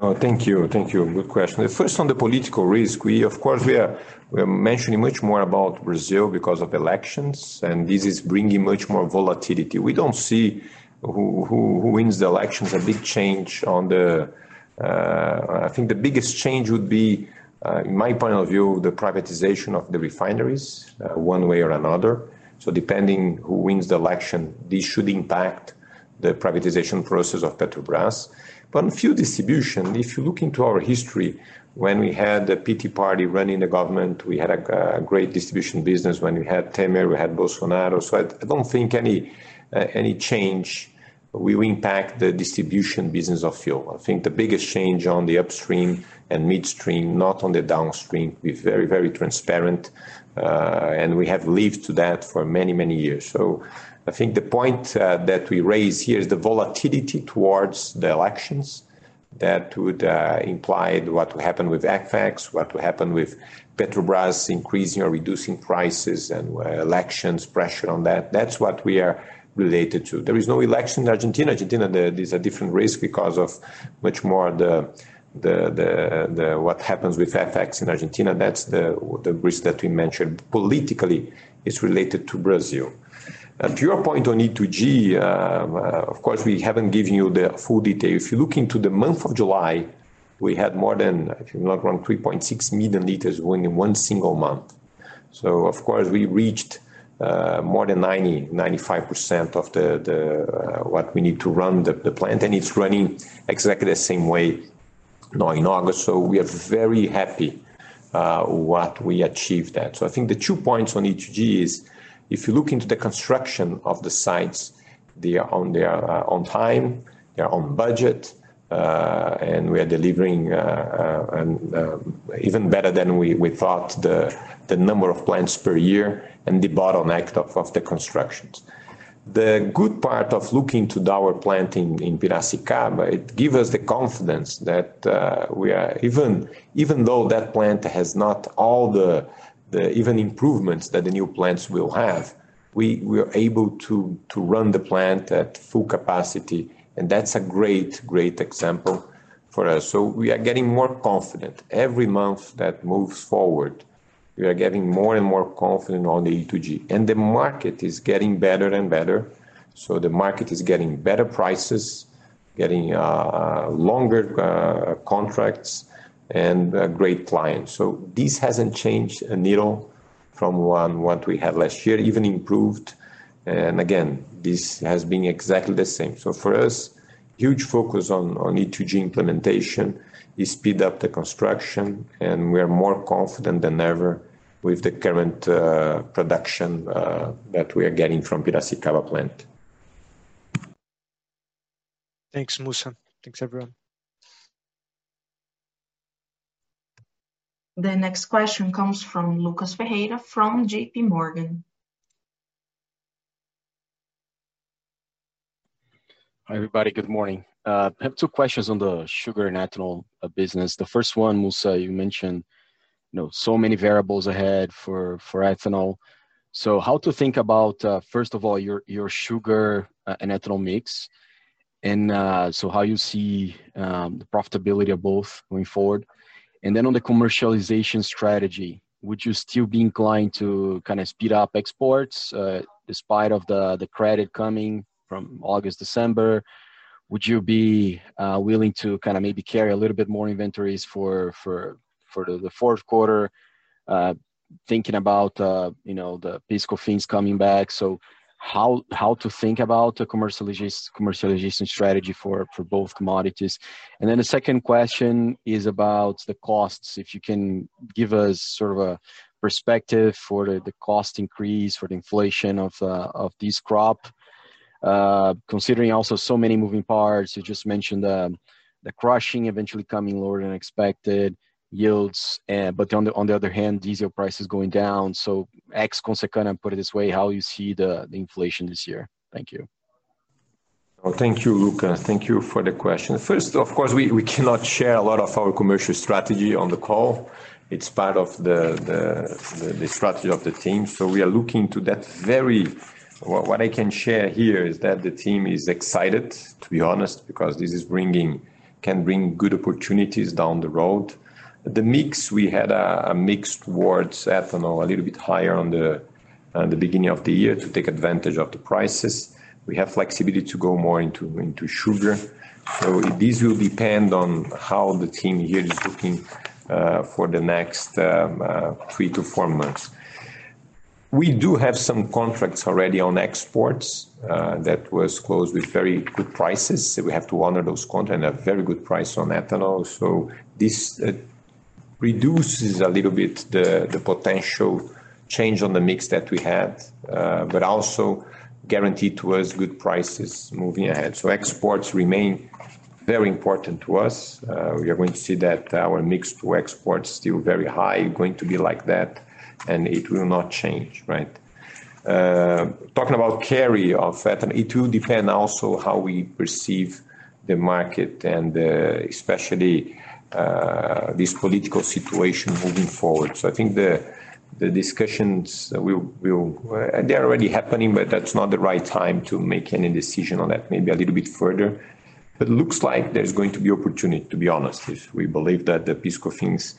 Oh, thank you. Thank you. Good question. First, on the political risk, we of course, we are mentioning much more about Brazil because of elections, and this is bringing much more volatility. We don't see who wins the elections, a big change on the. I think the biggest change would be. In my point of view, the privatization of the refineries, one way or another, so depending who wins the election, this should impact the privatization process of Petrobras. In fuel distribution, if you look into our history, when we had the PT party running the government, we had a great distribution business when we had Temer, we had Bolsonaro. I don't think any change will impact the distribution business of fuel. I think the biggest change on the upstream and midstream, not on the downstream, we're very transparent, and we have lived to that for many years. I think the point that we raise here is the volatility towards the elections that would imply what will happen with FX, what will happen with Petrobras increasing or reducing prices and elections pressure on that. That's what we are related to. There is no election in Argentina. Argentina, there is a different risk because of much more what happens with FX in Argentina. That's the risk that we mentioned politically is related to Brazil. To your point on E2G, of course, we haven't given you the full detail. If you look into the month of July, we had more than, if I'm not wrong, 3.6 million liters going in one single month. Of course, we reached more than 95% of what we need to run the plant, and it's running exactly the same way now in August. We are very happy what we achieved that. I think the two points on E2G is if you look into the construction of the sites, they are on time, they are on budget, and we are delivering even better than we thought the number of plants per year and the bottleneck of the constructions. The good part of looking at our plant in Piracicaba, it gives us the confidence that we are, even though that plant has not all the other improvements that the new plants will have, we are able to run the plant at full capacity, and that's a great example for us. We are getting more confident. Every month that moves forward, we are getting more and more confident on the E2G. The market is getting better and better, so the market is getting better prices, getting longer contracts and great clients. This hasn't changed a needle from what we had last year, even improved. Again, this has been exactly the same. For us, huge focus on E2G implementation is speed up the construction, and we are more confident than ever with the current production that we are getting from Piracicaba plant. Thanks, Mussa. Thanks, everyone. The next question comes from Lucas Ferreira from JP Morgan. Hi, everybody. Good morning. I have two questions on the sugar and ethanol business. The first one, Mussa, you mentioned, you know, so many variables ahead for ethanol. So how to think about, first of all, your sugar and ethanol mix, and so how you see the profitability of both going forward? On the commercialization strategy, would you still be inclined to kind of speed up exports, despite of the credit coming from August, December? Would you be willing to kind of maybe carry a little bit more inventories for the fourth quarter, thinking about, you know, the PIS/COFINS things coming back? So how to think about the commercialization strategy for both commodities? The second question is about the costs. If you can give us sort of a perspective for the cost increase for the inflation of this crop, considering also so many moving parts. You just mentioned the crushing eventually coming lower than expected yields, but on the other hand, diesel prices going down. Consequently, put it this way, how you see the inflation this year? Thank you. Well, thank you, Lucas. Thank you for the question. First, of course, we cannot share a lot of our commercial strategy on the call. It's part of the strategy of the team. What I can share here is that the team is excited, to be honest, because this can bring good opportunities down the road. The mix, we had a mix towards ethanol a little bit higher on the beginning of the year to take advantage of the prices. We have flexibility to go more into sugar. This will depend on how the team here is looking for the next three to four months. We do have some contracts already on exports that was closed with very good prices, so we have to honor those contracts and a very good price on ethanol. This reduces a little bit the potential change on the mix that we had, but also guaranteed to us good prices moving ahead. Exports remain very important to us. We are going to see that our mix to export still very high, going to be like that, and it will not change, right? Talking about carry of ethanol, it will depend also how we perceive the market and especially this political situation moving forward. I think the discussions will. They're already happening, but that's not the right time to make any decision on that. Maybe a little bit further. looks like there's going to be opportunity, to be honest. If we believe that the PIS/COFINS is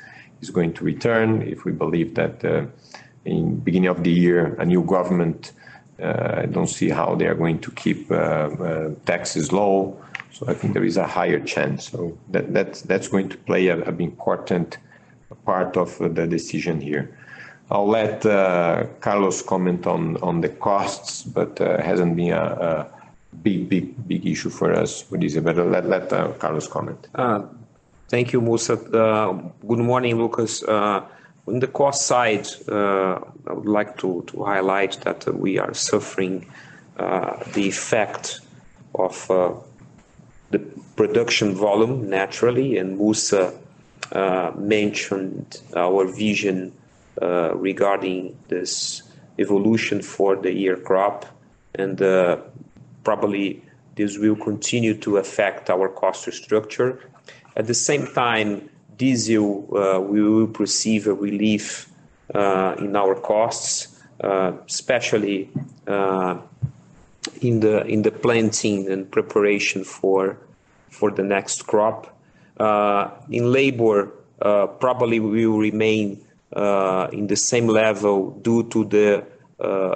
going to return, in beginning of the year, a new government, don't see how they are going to keep taxes low. I think there is a higher chance. that's going to play an important Part of the decision here. I'll let Carlos comment on the costs, but it hasn't been a big issue for us. It's better, let Carlos comment. Thank you, Mussa. Good morning, Lucas. On the cost side, I would like to highlight that we are suffering the effect of the production volume naturally. Mussa mentioned our vision regarding this evolution for the year crop. Probably this will continue to affect our cost structure. At the same time, this year, we will perceive a relief in our costs, especially in the planting and preparation for the next crop. In labor, probably we will remain in the same level due to the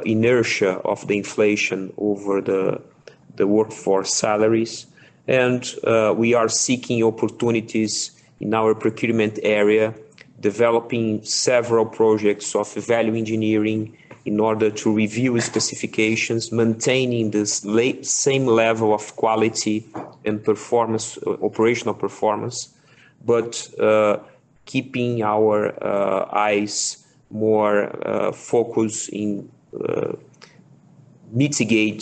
inertia of the inflation over the workforce salaries. We are seeking opportunities in our procurement area, developing several projects of value engineering in order to review specifications, maintaining this same level of quality and performance, operational performance. Keeping our eyes more focused on mitigating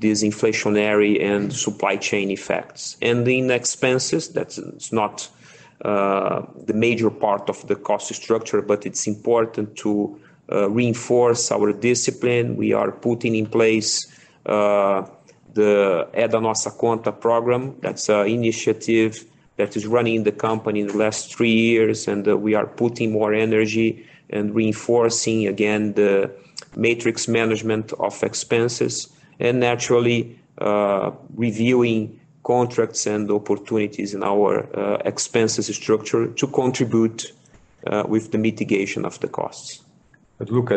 these inflationary and supply chain effects. In expenses, that's not the major part of the cost structure, but it's important to reinforce our discipline. Lucas,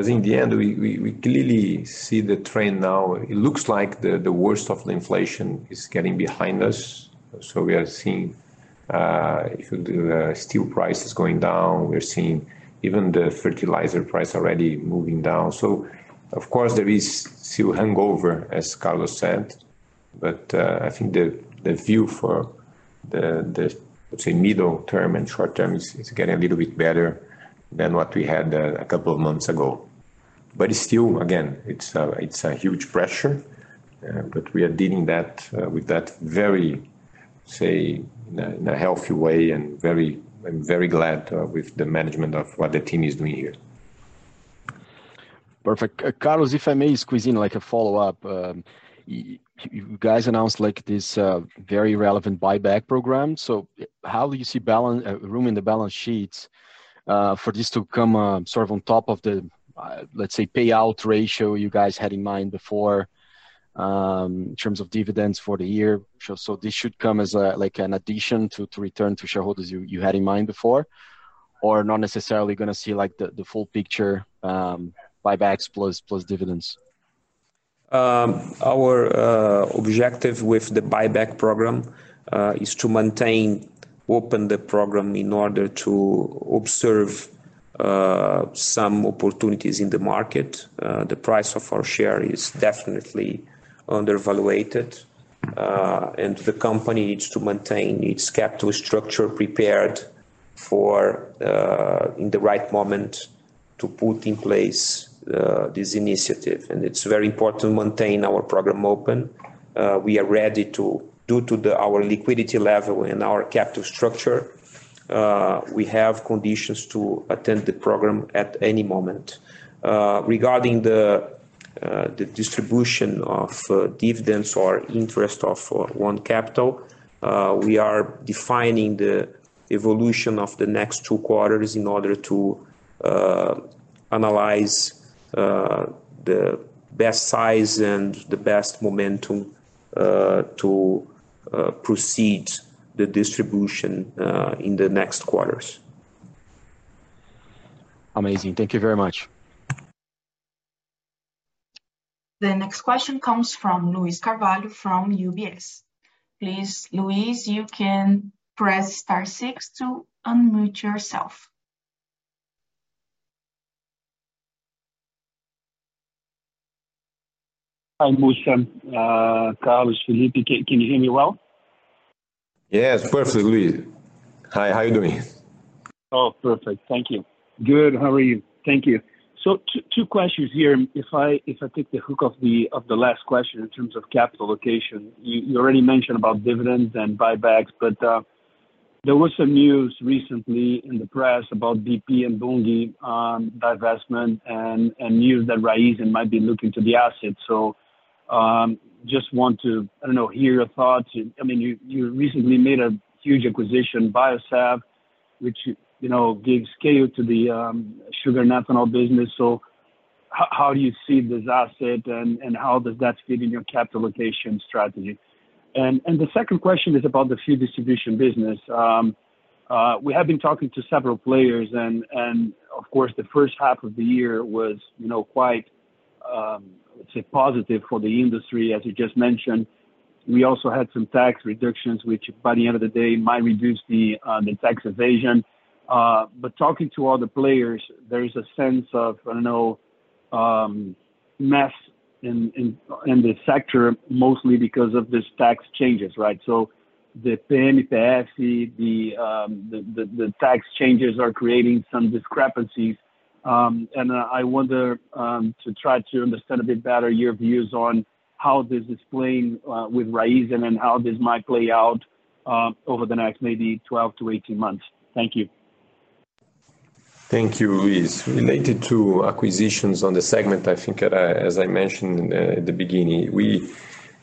in the end, we clearly see the trend now. It looks like the worst of the inflation is getting behind us, so we are seeing if the steel price is going down. We're seeing even the fertilizer price already moving down. Of course, there is still hangover, as Carlos said. I think the view for the, say, medium term and short term is getting a little bit better than what we had a couple of months ago. Still, again, it's a huge pressure, but we are dealing with that very, say, in a healthy way. I'm very glad with the management of what the team is doing here. Perfect. Carlos, if I may squeeze in like a follow-up. You guys announced like this very relevant buyback program. How do you see room in the balance sheets for this to come sort of on top of the let's say payout ratio you guys had in mind before in terms of dividends for the year? This should come as like an addition to return to shareholders you had in mind before? Or not necessarily gonna see like the full picture buybacks plus dividends. Our objective with the buyback program is to maintain open the program in order to observe some opportunities in the market. The price of our share is definitely undervalued, and the company needs to maintain its capital structure prepared for in the right moment to put in place this initiative. It's very important to maintain our program open. Due to our liquidity level and our capital structure, we have conditions to attend the program at any moment. Regarding the distribution of dividends or interest on own capital, we are defining the evolution of the next two quarters in order to analyze the best size and the best momentum to proceed the distribution in the next quarters. Amazing. Thank you very much. The next question comes from Luiz Carvalho from UBS. Please, Luiz, you can press star six to unmute yourself. Hi, Mussa. Carlos, Felipe, can you hear me well? Yes, perfectly. Hi, how are you doing? Oh, perfect. Thank you. Good. How are you? Thank you. Two questions here. If I take the hook of the last question in terms of capital allocation, you already mentioned about dividends and buybacks. There was some news recently in the press about BP and Bunge divestment and news that Raízen might be looking to the assets. Just want to, I don't know, hear your thoughts. I mean, you recently made a huge acquisition, Biosev, which, you know, gives scale to the sugar and ethanol business. How do you see this asset and how does that fit in your capital allocation strategy? The second question is about the food distribution business. We have been talking to several players and of course the first half of the year was, you know. It's a positive for the industry, as you just mentioned. We also had some tax reductions, which by the end of the day might reduce the tax evasion. Talking to other players, there is a sense of, I don't know, mess in the sector mostly because of this tax changes, right? The PEC, the tax changes are creating some discrepancies. I wonder to try to understand a bit better your views on how this is playing with Raízen and how this might play out over the next maybe 12 months-18 months. Thank you. Thank you, Luiz. Related to acquisitions on the segment, I think that, as I mentioned in the beginning, we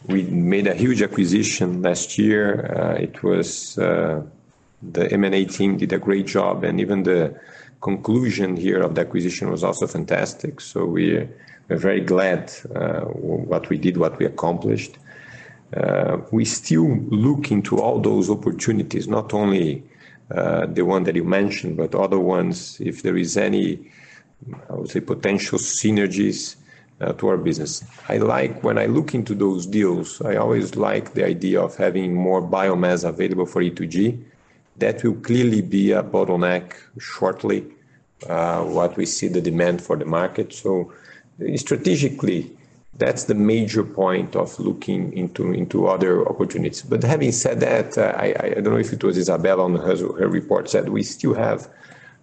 made a huge acquisition last year. It was, the M&A team did a great job, and even the conclusion here of the acquisition was also fantastic. We're very glad what we did, what we accomplished. We still look into all those opportunities, not only the one that you mentioned, but other ones, if there is any, I would say, potential synergies to our business. I like when I look into those deals, I always like the idea of having more biomass available for E2G. That will clearly be a bottleneck shortly, what we see the demand for the market. Strategically, that's the major point of looking into other opportunities. Having said that, I don't know if it was Isabella in her report said, we still have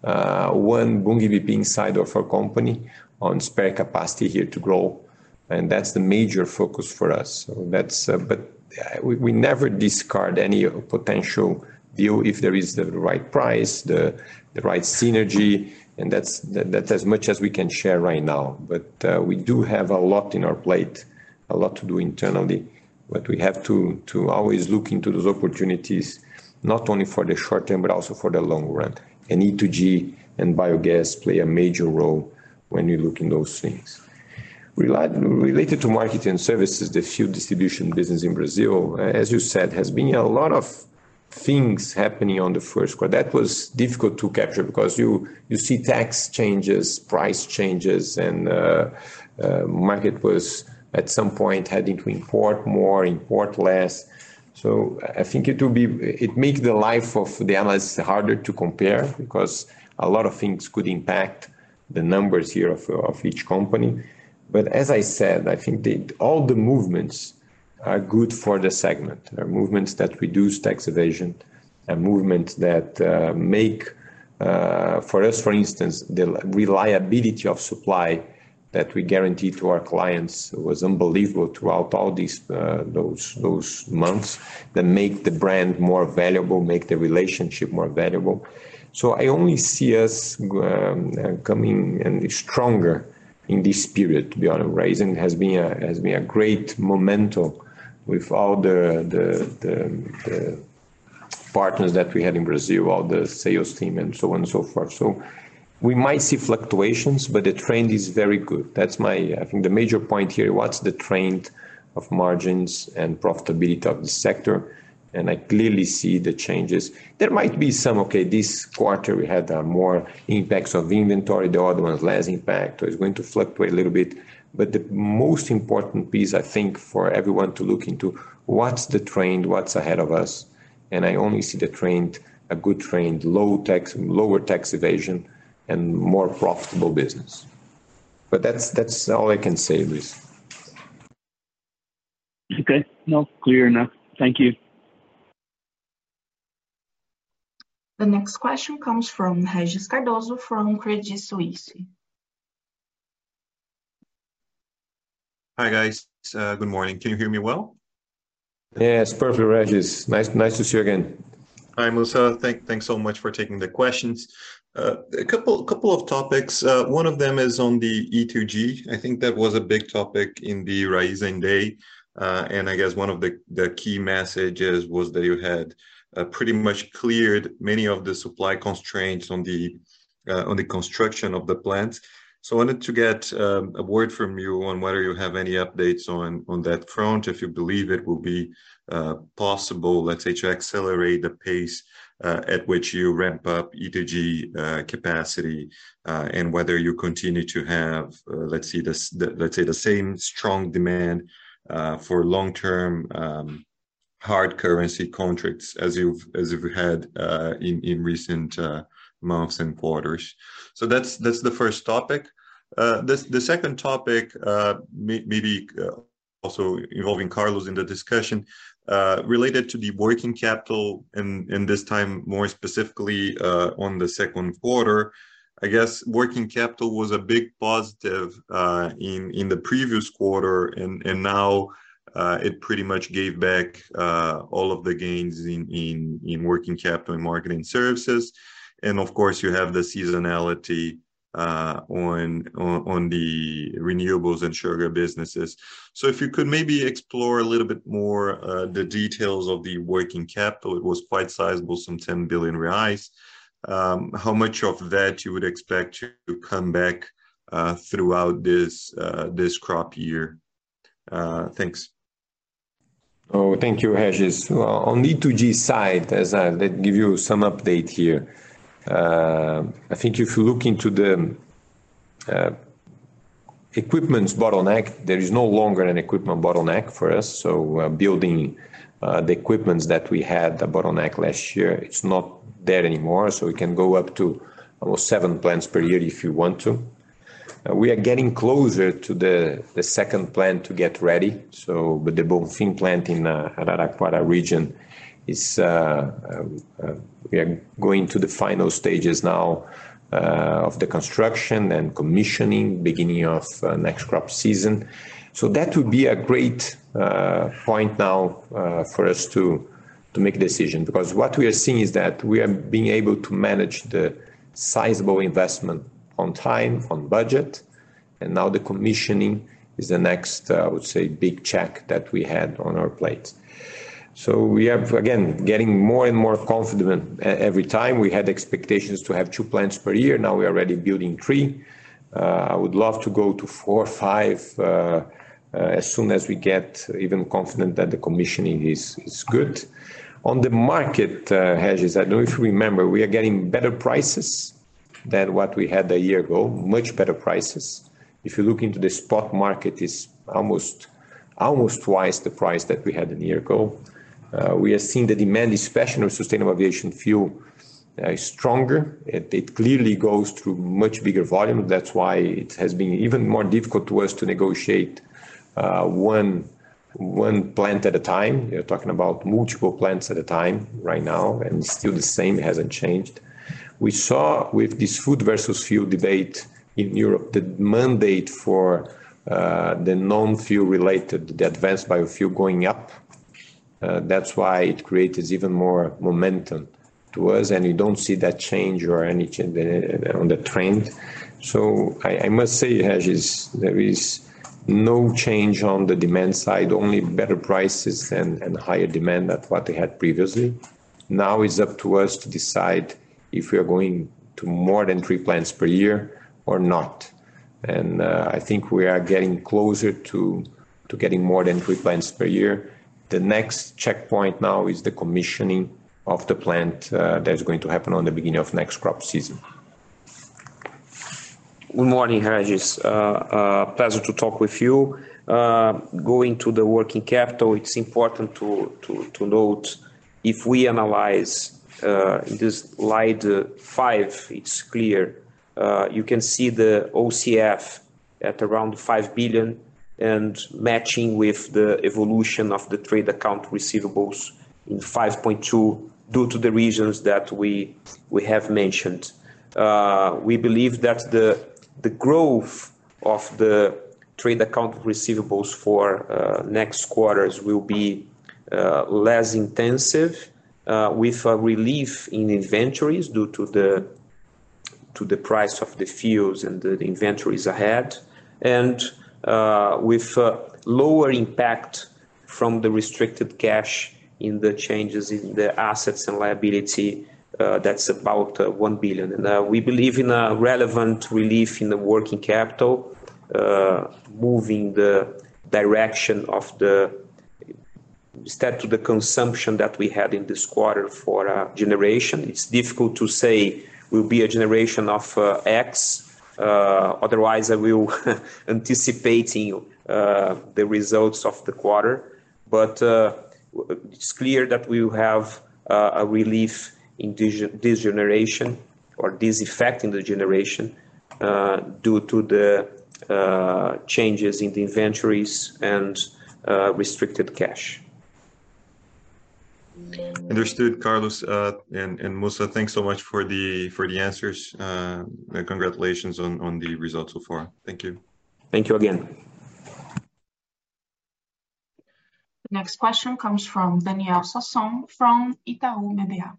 one Biosev inside of our company with spare capacity here to grow, and that's the major focus for us. We never discard any potential deal if there is the right price, the right synergy, and that's as much as we can share right now. We do have a lot on our plate, a lot to do internally. We have to always look into those opportunities, not only for the short term, but also for the long run. E2G and biogas play a major role when you look into those things. Related to Marketing and Services, the fuel distribution business in Brazil, as you said, has been a lot of things happening in the first quarter. That was difficult to capture because you see tax changes, price changes, and market was at some point having to import more, import less. I think it will be. It make the life of the analysts harder to compare because a lot of things could impact the numbers here of each company. As I said, I think the all the movements are good for the segment. Movements that reduce tax evasion, a movement that make for us, for instance, the reliability of supply that we guarantee to our clients was unbelievable throughout all those months that make the brand more valuable, make the relationship more valuable. I only see us coming out stronger in this period. To be at Raízen has been a great momentum with all the partners that we had in Brazil, all the sales team and so on and so forth. We might see fluctuations, but the trend is very good. That's, I think, the major point here. What's the trend of margins and profitability of the sector, and I clearly see the changes. There might be some. Okay, this quarter we had more impacts of inventory, the other ones less impact, or it's going to fluctuate a little bit. The most important piece, I think, for everyone to look into what's the trend, what's ahead of us, and I only see the trend, a good trend, lower tax evasion and more profitable business. That's all I can say, Luiz. Okay. No, clear enough. Thank you. The next question comes from Régis Cardoso from Credit Suisse. Hi, guys. Good morning. Can you hear me well? Yes, perfectly, Régis. Nice to see you again. Hi, Mussa. Thanks so much for taking the questions. A couple of topics. One of them is on the E2G. I think that was a big topic in the Raízen Day. I guess one of the key messages was that you had pretty much cleared many of the supply constraints on the construction of the plant. I wanted to get a word from you on whether you have any updates on that front, if you believe it will be possible, let's say, to accelerate the pace at which you ramp up E2G capacity, and whether you continue to have the same strong demand for long-term hard currency contracts as you've had in recent months and quarters. That's the first topic. The second topic, maybe also involving Carlos in the discussion, related to the working capital and this time more specifically on the second quarter. I guess working capital was a big positive in the previous quarter and now it pretty much gave back all of the gains in working capital and Marketing and Services. Of course, you have the seasonality on the renewables and sugar businesses. If you could maybe explore a little bit more the details of the working capital. It was quite sizable, some 10 billion reais. How much of that you would expect to come back throughout this crop year? Thanks. Oh, thank you, Régis. On E2G side, as I'll give you some update here. I think if you look into the equipment's bottleneck, there is no longer an equipment bottleneck for us. We're building the equipment that we had the bottleneck last year. It's not there anymore, so we can go up to about seven plants per year if you want to. We are getting closer to the second plant to get ready, with the Bonfim plant in Araraquara region, we are going to the final stages now of the construction and commissioning beginning of next crop season. That would be a great point now for us to make a decision because what we are seeing is that we are being able to manage the sizable investment on time, on budget, and now the commissioning is the next, I would say, big check that we had on our plates. We are, again, getting more and more confident every time. We had expectations to have two plants per year. Now we are already building three. I would love to go to four or five as soon as we get even confident that the commissioning is good. On the market, Régis, I don't know if you remember, we are getting better prices than what we had a year ago, much better prices. If you look into the spot market, it is almost twice the price that we had a year ago. We are seeing the demand, especially on sustainable aviation fuel, is stronger. It clearly goes through much bigger volume. That's why it has been even more difficult to us to negotiate one plant at a time. We are talking about multiple plants at a time right now, and still the same hasn't changed. We saw with this food versus fuel debate in Europe, the mandate for the non-food related, the advanced biofuel going up. That's why it creates even more momentum to us, and you don't see that change or any change in the on the trend. I must say, Régis, there is no change on the demand side, only better prices and higher demand than what they had previously. Now it's up to us to decide if we are going to more than three plants per year or not. I think we are getting closer to getting more than three plants per year. The next checkpoint now is the commissioning of the plant that is going to happen at the beginning of next crop season. Good morning, Régis. Pleasure to talk with you. Going to the working capital, it's important to note if we analyze in this Slide five, it's clear. You can see the OCF at around 5 billion and matching with the evolution of the trade account receivables in 5.2 billion due to the reasons that we have mentioned. We believe that the growth of the trade account receivables for next quarters will be less intensive, with a relief in inventories due to the price of the fuels and the inventories ahead, and with a lower impact from the restricted cash in the changes in the assets and liability. That's about 1 billion. We believe in a relevant relief in the working capital, moving the direction of the step to the consumption that we had in this quarter for our generation. It's difficult to say will be a generation of X, otherwise I will anticipating the results of the quarter. It's clear that we will have a relief in this generation or this effect in the generation due to the changes in the inventories and restricted cash. Understood, Carlos. Mussa, thanks so much for the answers. Congratulations on the results so far. Thank you. Thank you again. The next question comes from Daniel Sasson from Itaú BBA.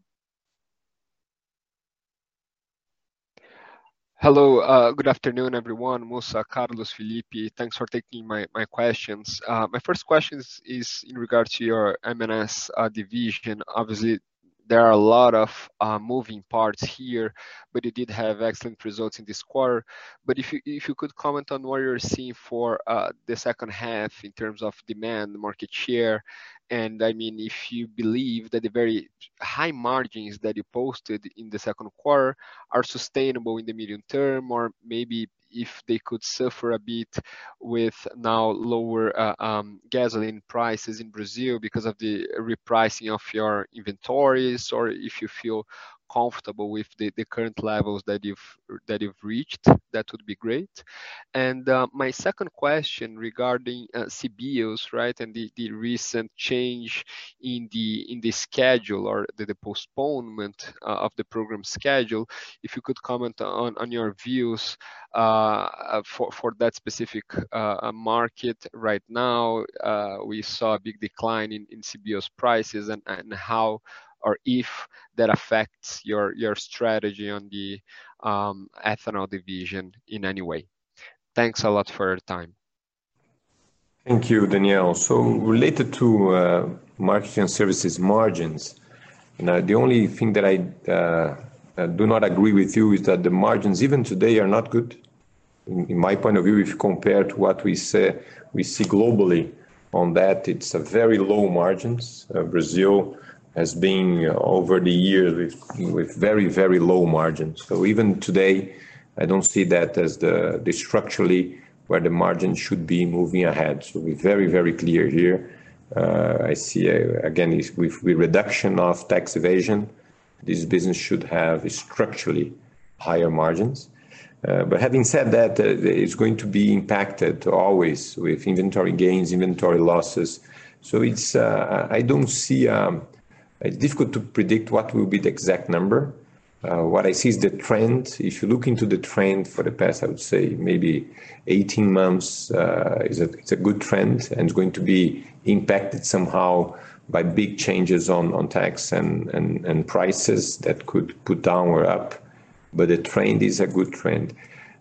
Hello. Good afternoon, everyone. Mussa, Carlos, Felipe, thanks for taking my questions. My first question is in regards to your M&S division. Obviously, there are a lot of moving parts here, but you did have excellent results in this quarter. If you could comment on what you're seeing for the second half in terms of demand, market share, and I mean, if you believe that the very high margins that you posted in the second quarter are sustainable in the medium term or maybe if they could suffer a bit with now lower gasoline prices in Brazil because of the repricing of your inventories or if you feel comfortable with the current levels that you've reached, that would be great. My second question regarding CBIOs, right? The recent change in the schedule or the postponement of the program schedule. If you could comment on your views for that specific market right now. We saw a big decline in CBIOs prices and how or if that affects your strategy on the ethanol division in any way. Thanks a lot for your time. Thank you, Daniel. Related to Marketing and Services margins, the only thing that I do not agree with you is that the margins, even today, are not good. In my point of view, if you compare to what we see globally on that, it's a very low margins. Brazil has been over the years with very low margins. Even today, I don't see that as the structurally where the margin should be moving ahead. Be very clear here, I see, again, it's with reduction of tax evasion, this business should have a structurally higher margins. But having said that, it's going to be impacted always with inventory gains, inventory losses. It's difficult to predict what will be the exact number. What I see is the trend. If you look into the trend for the past, I would say maybe 18 months, is a good trend and it's going to be impacted somehow by big changes on tax and prices that could go down or up, but the trend is a good trend.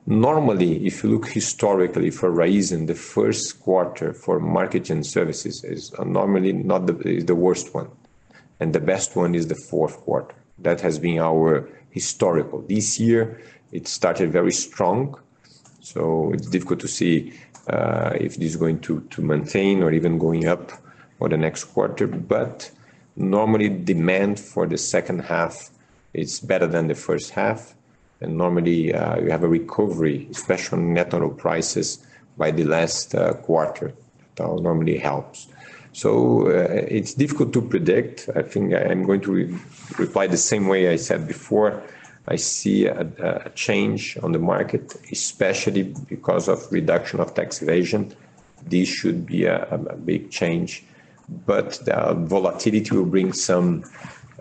Normally, if you look historically for Raízen, the first quarter for Marketing and Services is normally the worst one, and the best one is the fourth quarter. That has been our historical. This year it started very strong, so it's difficult to see if this is going to maintain or even going up for the next quarter. Normally demand for the second half is better than the first half. Normally you have a recovery, especially on ethanol prices by the last quarter. That normally helps. It's difficult to predict. I think I'm going to reply the same way I said before. I see a change on the market, especially because of reduction of tax evasion. This should be a big change, but the volatility will bring some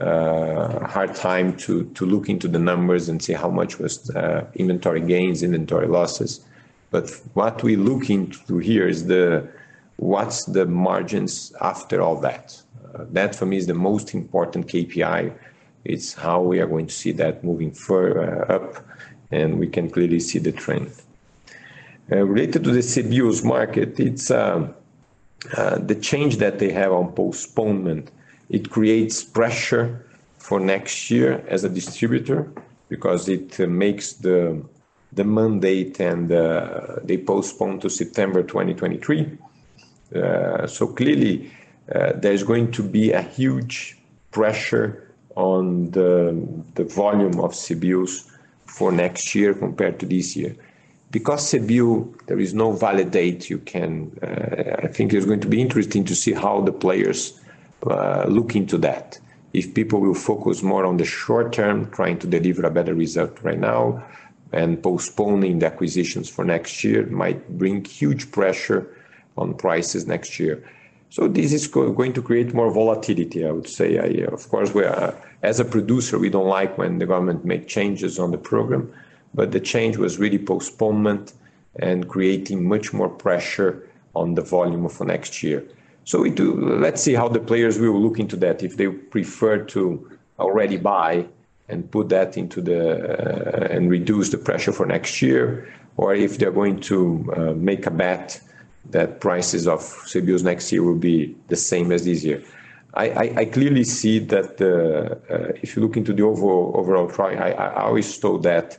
hard time to look into the numbers and see how much was inventory gains, inventory losses. What we look into here is what's the margins after all that. That for me is the most important KPI. It's how we are going to see that moving up, and we can clearly see the trend. Related to the CBIOs market, it's the change that they have on postponement. It creates pressure for next year as a distributor because it makes the mandate and they postpone to September 2023. Clearly, there's going to be a huge pressure on the volume of CBIOs for next year compared to this year. Because CBIO, there is no valid date you can. I think it's going to be interesting to see how the players look into that. If people will focus more on the short term, trying to deliver a better result right now, and postponing the acquisitions for next year might bring huge pressure on prices next year. This is going to create more volatility, I would say. Of course, as a producer, we don't like when the government make changes on the program, but the change was really postponement and creating much more pressure on the volume for next year. Let's see how the players will look into that, if they prefer to already buy and put that into the and reduce the pressure for next year, or if they're going to make a bet that prices of CBIOs next year will be the same as this year. I clearly see that if you look into the overall I always thought that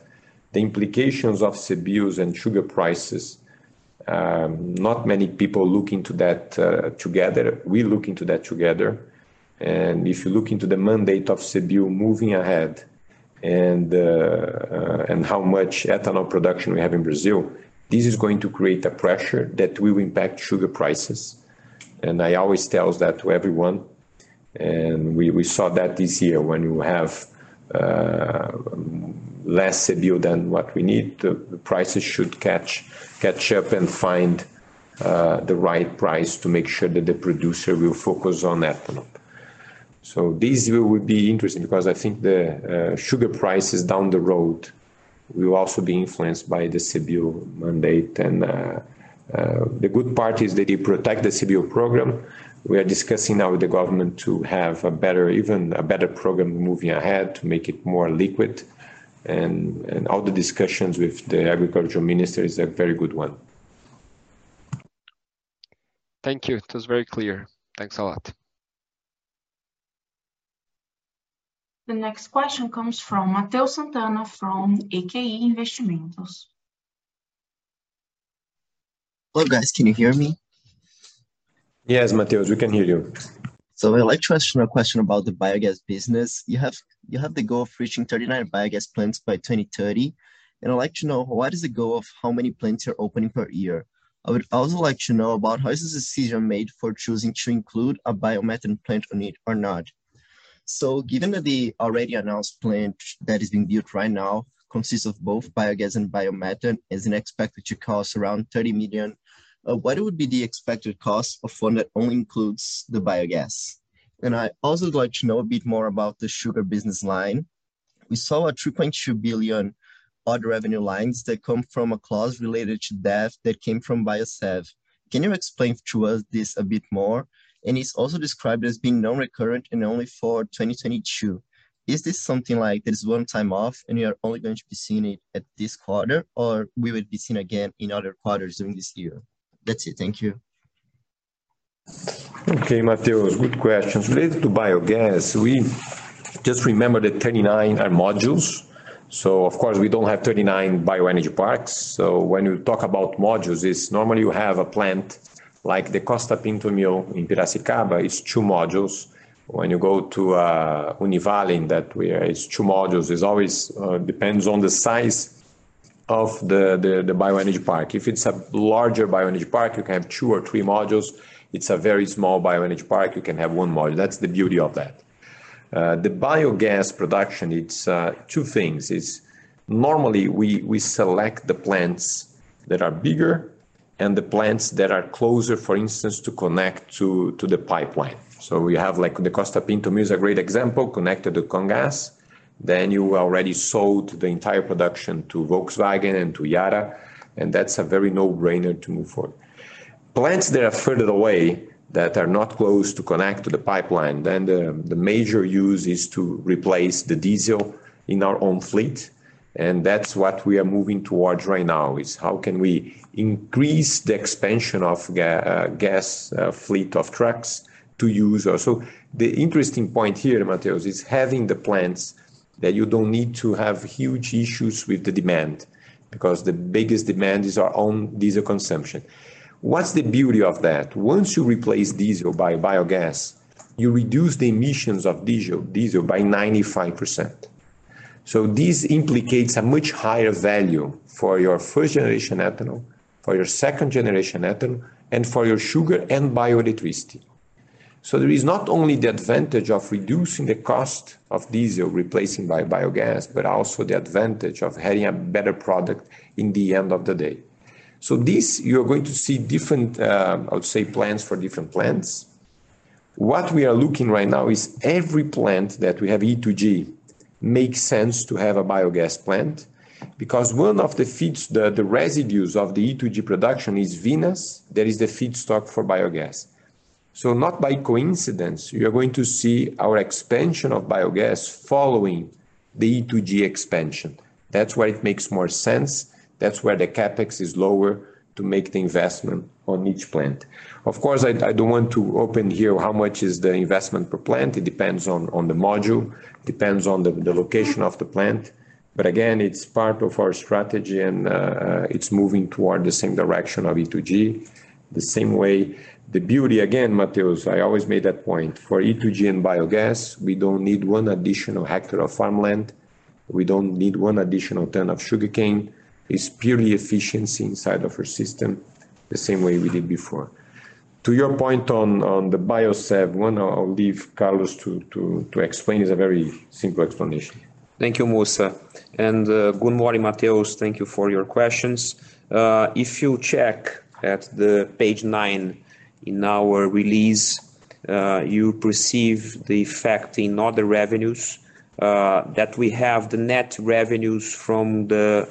the implications of CBIOs and sugar prices, not many people look into that together. We look into that together. If you look into the mandate of CBIO moving ahead and how much ethanol production we have in Brazil, this is going to create a pressure that will impact sugar prices. I always tells that to everyone. We saw that this year when you have less CBIO than what we need, the prices should catch up and find the right price to make sure that the producer will focus on ethanol. This will be interesting because I think the sugar prices down the road will also be influenced by the CBIO mandate. The good part is that they protect the CBIO program. We are discussing now with the government to have a better, even a better program moving ahead to make it more liquid. All the discussions with the agricultural minister is a very good one. Thank you. It was very clear. Thanks a lot. The next question comes from Matheus Santana from Aki Investments. Hello, guys. Can you hear me? Yes, Matheus, we can hear you. I'd like to ask you a question about the biogas business. You have the goal of reaching 39 biogas plants by 2030, and I'd like to know what is the goal of how many plants you're opening per year. I would also like to know about how is the decision made for choosing to include a biomethane plant on it or not. Given that the already announced plant that is being built right now consists of both biogas and biomethane, is it expected to cost around 30 million? What would be the expected cost of one that only includes the biogas? I also would like to know a bit more about the sugar business line. We saw a 2.2 billion other revenue lines that come from a clause related to debt that came from Biosev. Can you explain to us this a bit more? It's also described as being non-recurrent and only for 2022. Is this something like that is one time off and we are only going to be seeing it at this quarter, or we will be seeing again in other quarters during this year? That's it. Thank you. Okay, Matheus, good questions. Related to biogas, we just remember that 39 are modules. Of course, we don't have 39 bioenergy parks. When you talk about modules, it's normally you have a plant like the Costa Pinto mill in Piracicaba is two modules. When you go to Univalem in that way, it's two modules. It's always depends on the size of the bioenergy park. If it's a larger bioenergy park, you can have two or three modules. It's a very small bioenergy park, you can have one module. That's the beauty of that. The biogas production, it's two things. It's normally we select the plants that are bigger and the plants that are closer, for instance, to connect to the pipeline. We have like the Costa Pinto mill is a great example, connected to Comgás. You already sold the entire production to Volkswagen and to Yara, and that's a very no-brainer to move forward. Plants that are further away that are not close to connect to the pipeline, the major use is to replace the diesel in our own fleet, and that's what we are moving towards right now, is how can we increase the expansion of gas fleet of trucks to use also. The interesting point here, Matheus, is having the plants that you don't need to have huge issues with the demand because the biggest demand is our own diesel consumption. What's the beauty of that? Once you replace diesel by biogas, you reduce the emissions of diesel by 95%. So this implicates a much higher value for your first generation ethanol, for your second generation ethanol, and for your sugar and bioelectricity. There is not only the advantage of reducing the cost of diesel replacing by biogas, but also the advantage of having a better product in the end of the day. This, you're going to see different, I would say plans for different plants. What we are looking right now is every plant that we have E2G makes sense to have a biogas plant because one of the feeds, the residues of the E2G production is vinasse, that is the feedstock for biogas. Not by coincidence, you're going to see our expansion of biogas following the E2G expansion. That's where it makes more sense. That's where the CapEx is lower to make the investment on each plant. Of course, I don't want to open here how much is the investment per plant. It depends on the module, depends on the location of the plant. Again, it's part of our strategy and it's moving toward the same direction of E2G. The same way, the beauty again, Matheus, I always made that point, for E2G and biogas, we don't need one additional hectare of farmland. We don't need one additional ton of sugarcane. It's purely efficiency inside of our system, the same way we did before. To your point on the Biosev, I'll leave Carlos to explain. It's a very simple explanation. Thank you, Mussa. Good morning, Matheus. Thank you for your questions. If you check page 9 in our release, you perceive the effect in other revenues that we have the net revenues from the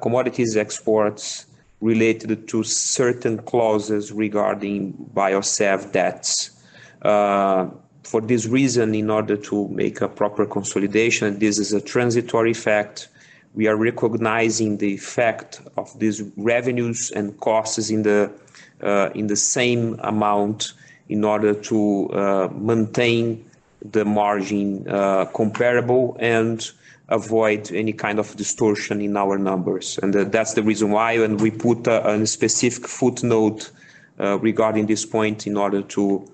commodities exports related to certain clauses regarding Biosev debts. For this reason, in order to make a proper consolidation, this is a transitory effect. We are recognizing the effect of these revenues and costs in the same amount in order to maintain the margin comparable and avoid any kind of distortion in our numbers. That's the reason why when we put a specific footnote regarding this point in order to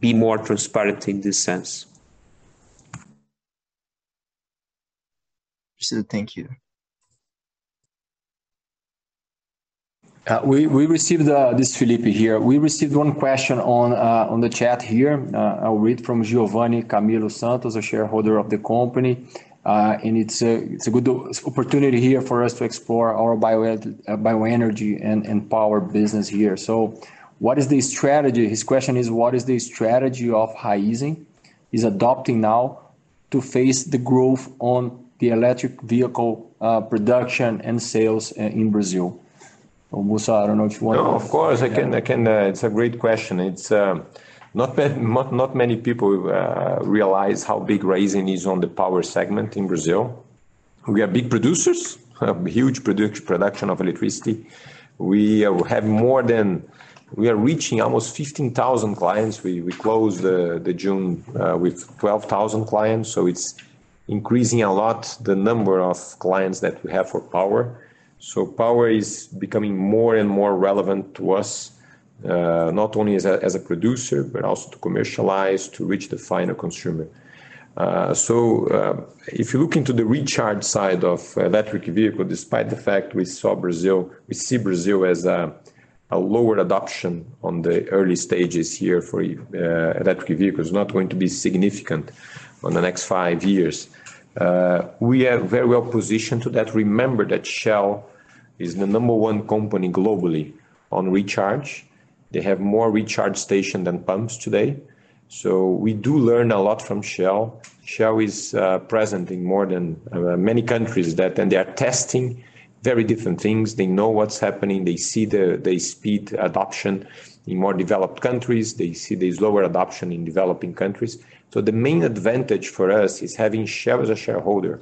be more transparent in this sense. Thank you. This is Felipe here. We received one question on the chat here. I'll read from Giovanni Camilo Santos, a shareholder of the company. It's a good opportunity here for us to explore our bioenergy and power business here. What is the strategy? His question is, what is the strategy of Raízen is adopting now to face the growth on the electric vehicle production and sales in Brazil? Mussa, I don't know if you want to. No, of course, I can. It's a great question. Not many people realize how big Raízen is on the power segment in Brazil. We are big producers. We have huge production of electricity. We are reaching almost 15,000 clients. We closed June with 12,000 clients, so it's increasing a lot the number of clients that we have for power. Power is becoming more and more relevant to us, not only as a producer, but also to commercialize, to reach the final consumer. If you look into the recharge side of electric vehicle, despite the fact we see Brazil as a lower adoption on the early stages here for electric vehicles, not going to be significant on the next five years. We are very well positioned to that. Remember that Shell is the number one company globally on recharge. They have more recharge station than pumps today. We do learn a lot from Shell. Shell is present in more than many countries. They are testing very different things. They know what's happening. They see the speed adoption in more developed countries. They see this lower adoption in developing countries. The main advantage for us is having Shell as a shareholder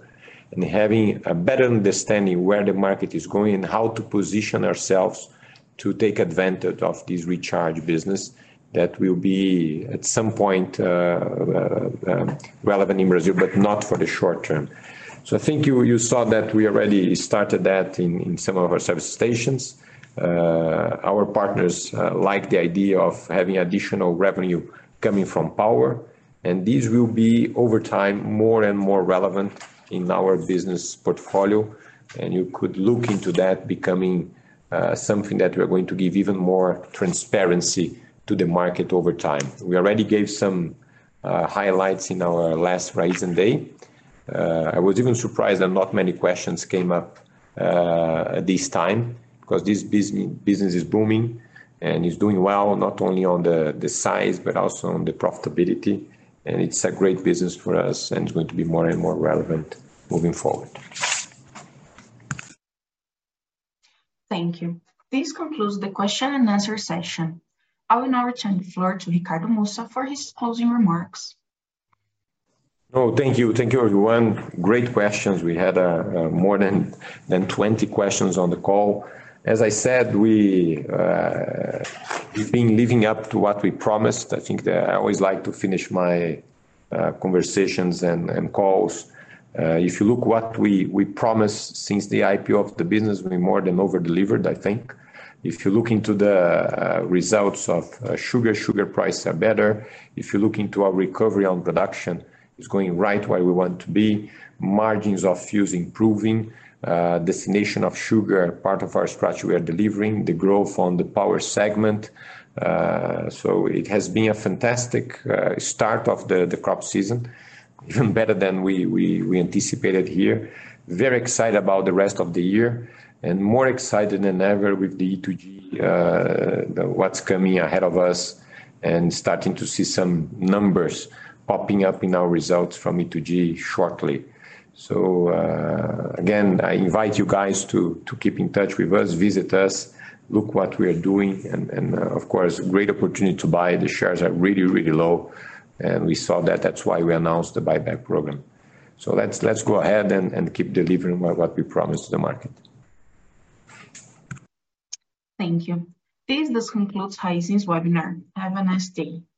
and having a better understanding where the market is going and how to position ourselves to take advantage of this recharge business that will be at some point relevant in Brazil, but not for the short term. I think you saw that we already started that in some of our service stations. Our partners like the idea of having additional revenue coming from power, and these will be over time, more and more relevant in our business portfolio. You could look into that becoming something that we're going to give even more transparency to the market over time. We already gave some highlights in our last Raízen Day. I was even surprised that not many questions came up this time because this business is booming and is doing well, not only on the size, but also on the profitability. It's a great business for us, and it's going to be more and more relevant moving forward. Thank you. This concludes the question and answer session. I will now return the floor to Ricardo Mussa for his closing remarks. Oh, thank you. Thank you everyone. Great questions. We had more than 20 questions on the call. As I said, we've been living up to what we promised. I think that I always like to finish my conversations and calls. If you look what we promised since the IPO of the business, we more than over-delivered, I think. If you look into the results of sugar prices are better. If you look into our recovery on production, it's going right where we want to be. Margins of fuel is improving. Destination of sugar, part of our strategy, we are delivering the growth on the power segment. So it has been a fantastic start of the crop season, even better than we anticipated here. Very excited about the rest of the year and more excited than ever with the E2G, what's coming ahead of us and starting to see some numbers popping up in our results from E2G shortly. Again, I invite you guys to keep in touch with us, visit us, look what we are doing, and of course, great opportunity to buy. The shares are really, really low, and we saw that. That's why we announced the buyback program. Let's go ahead and keep delivering what we promised the market. Thank you. This does conclude Raízen's webinar. Have a nice day.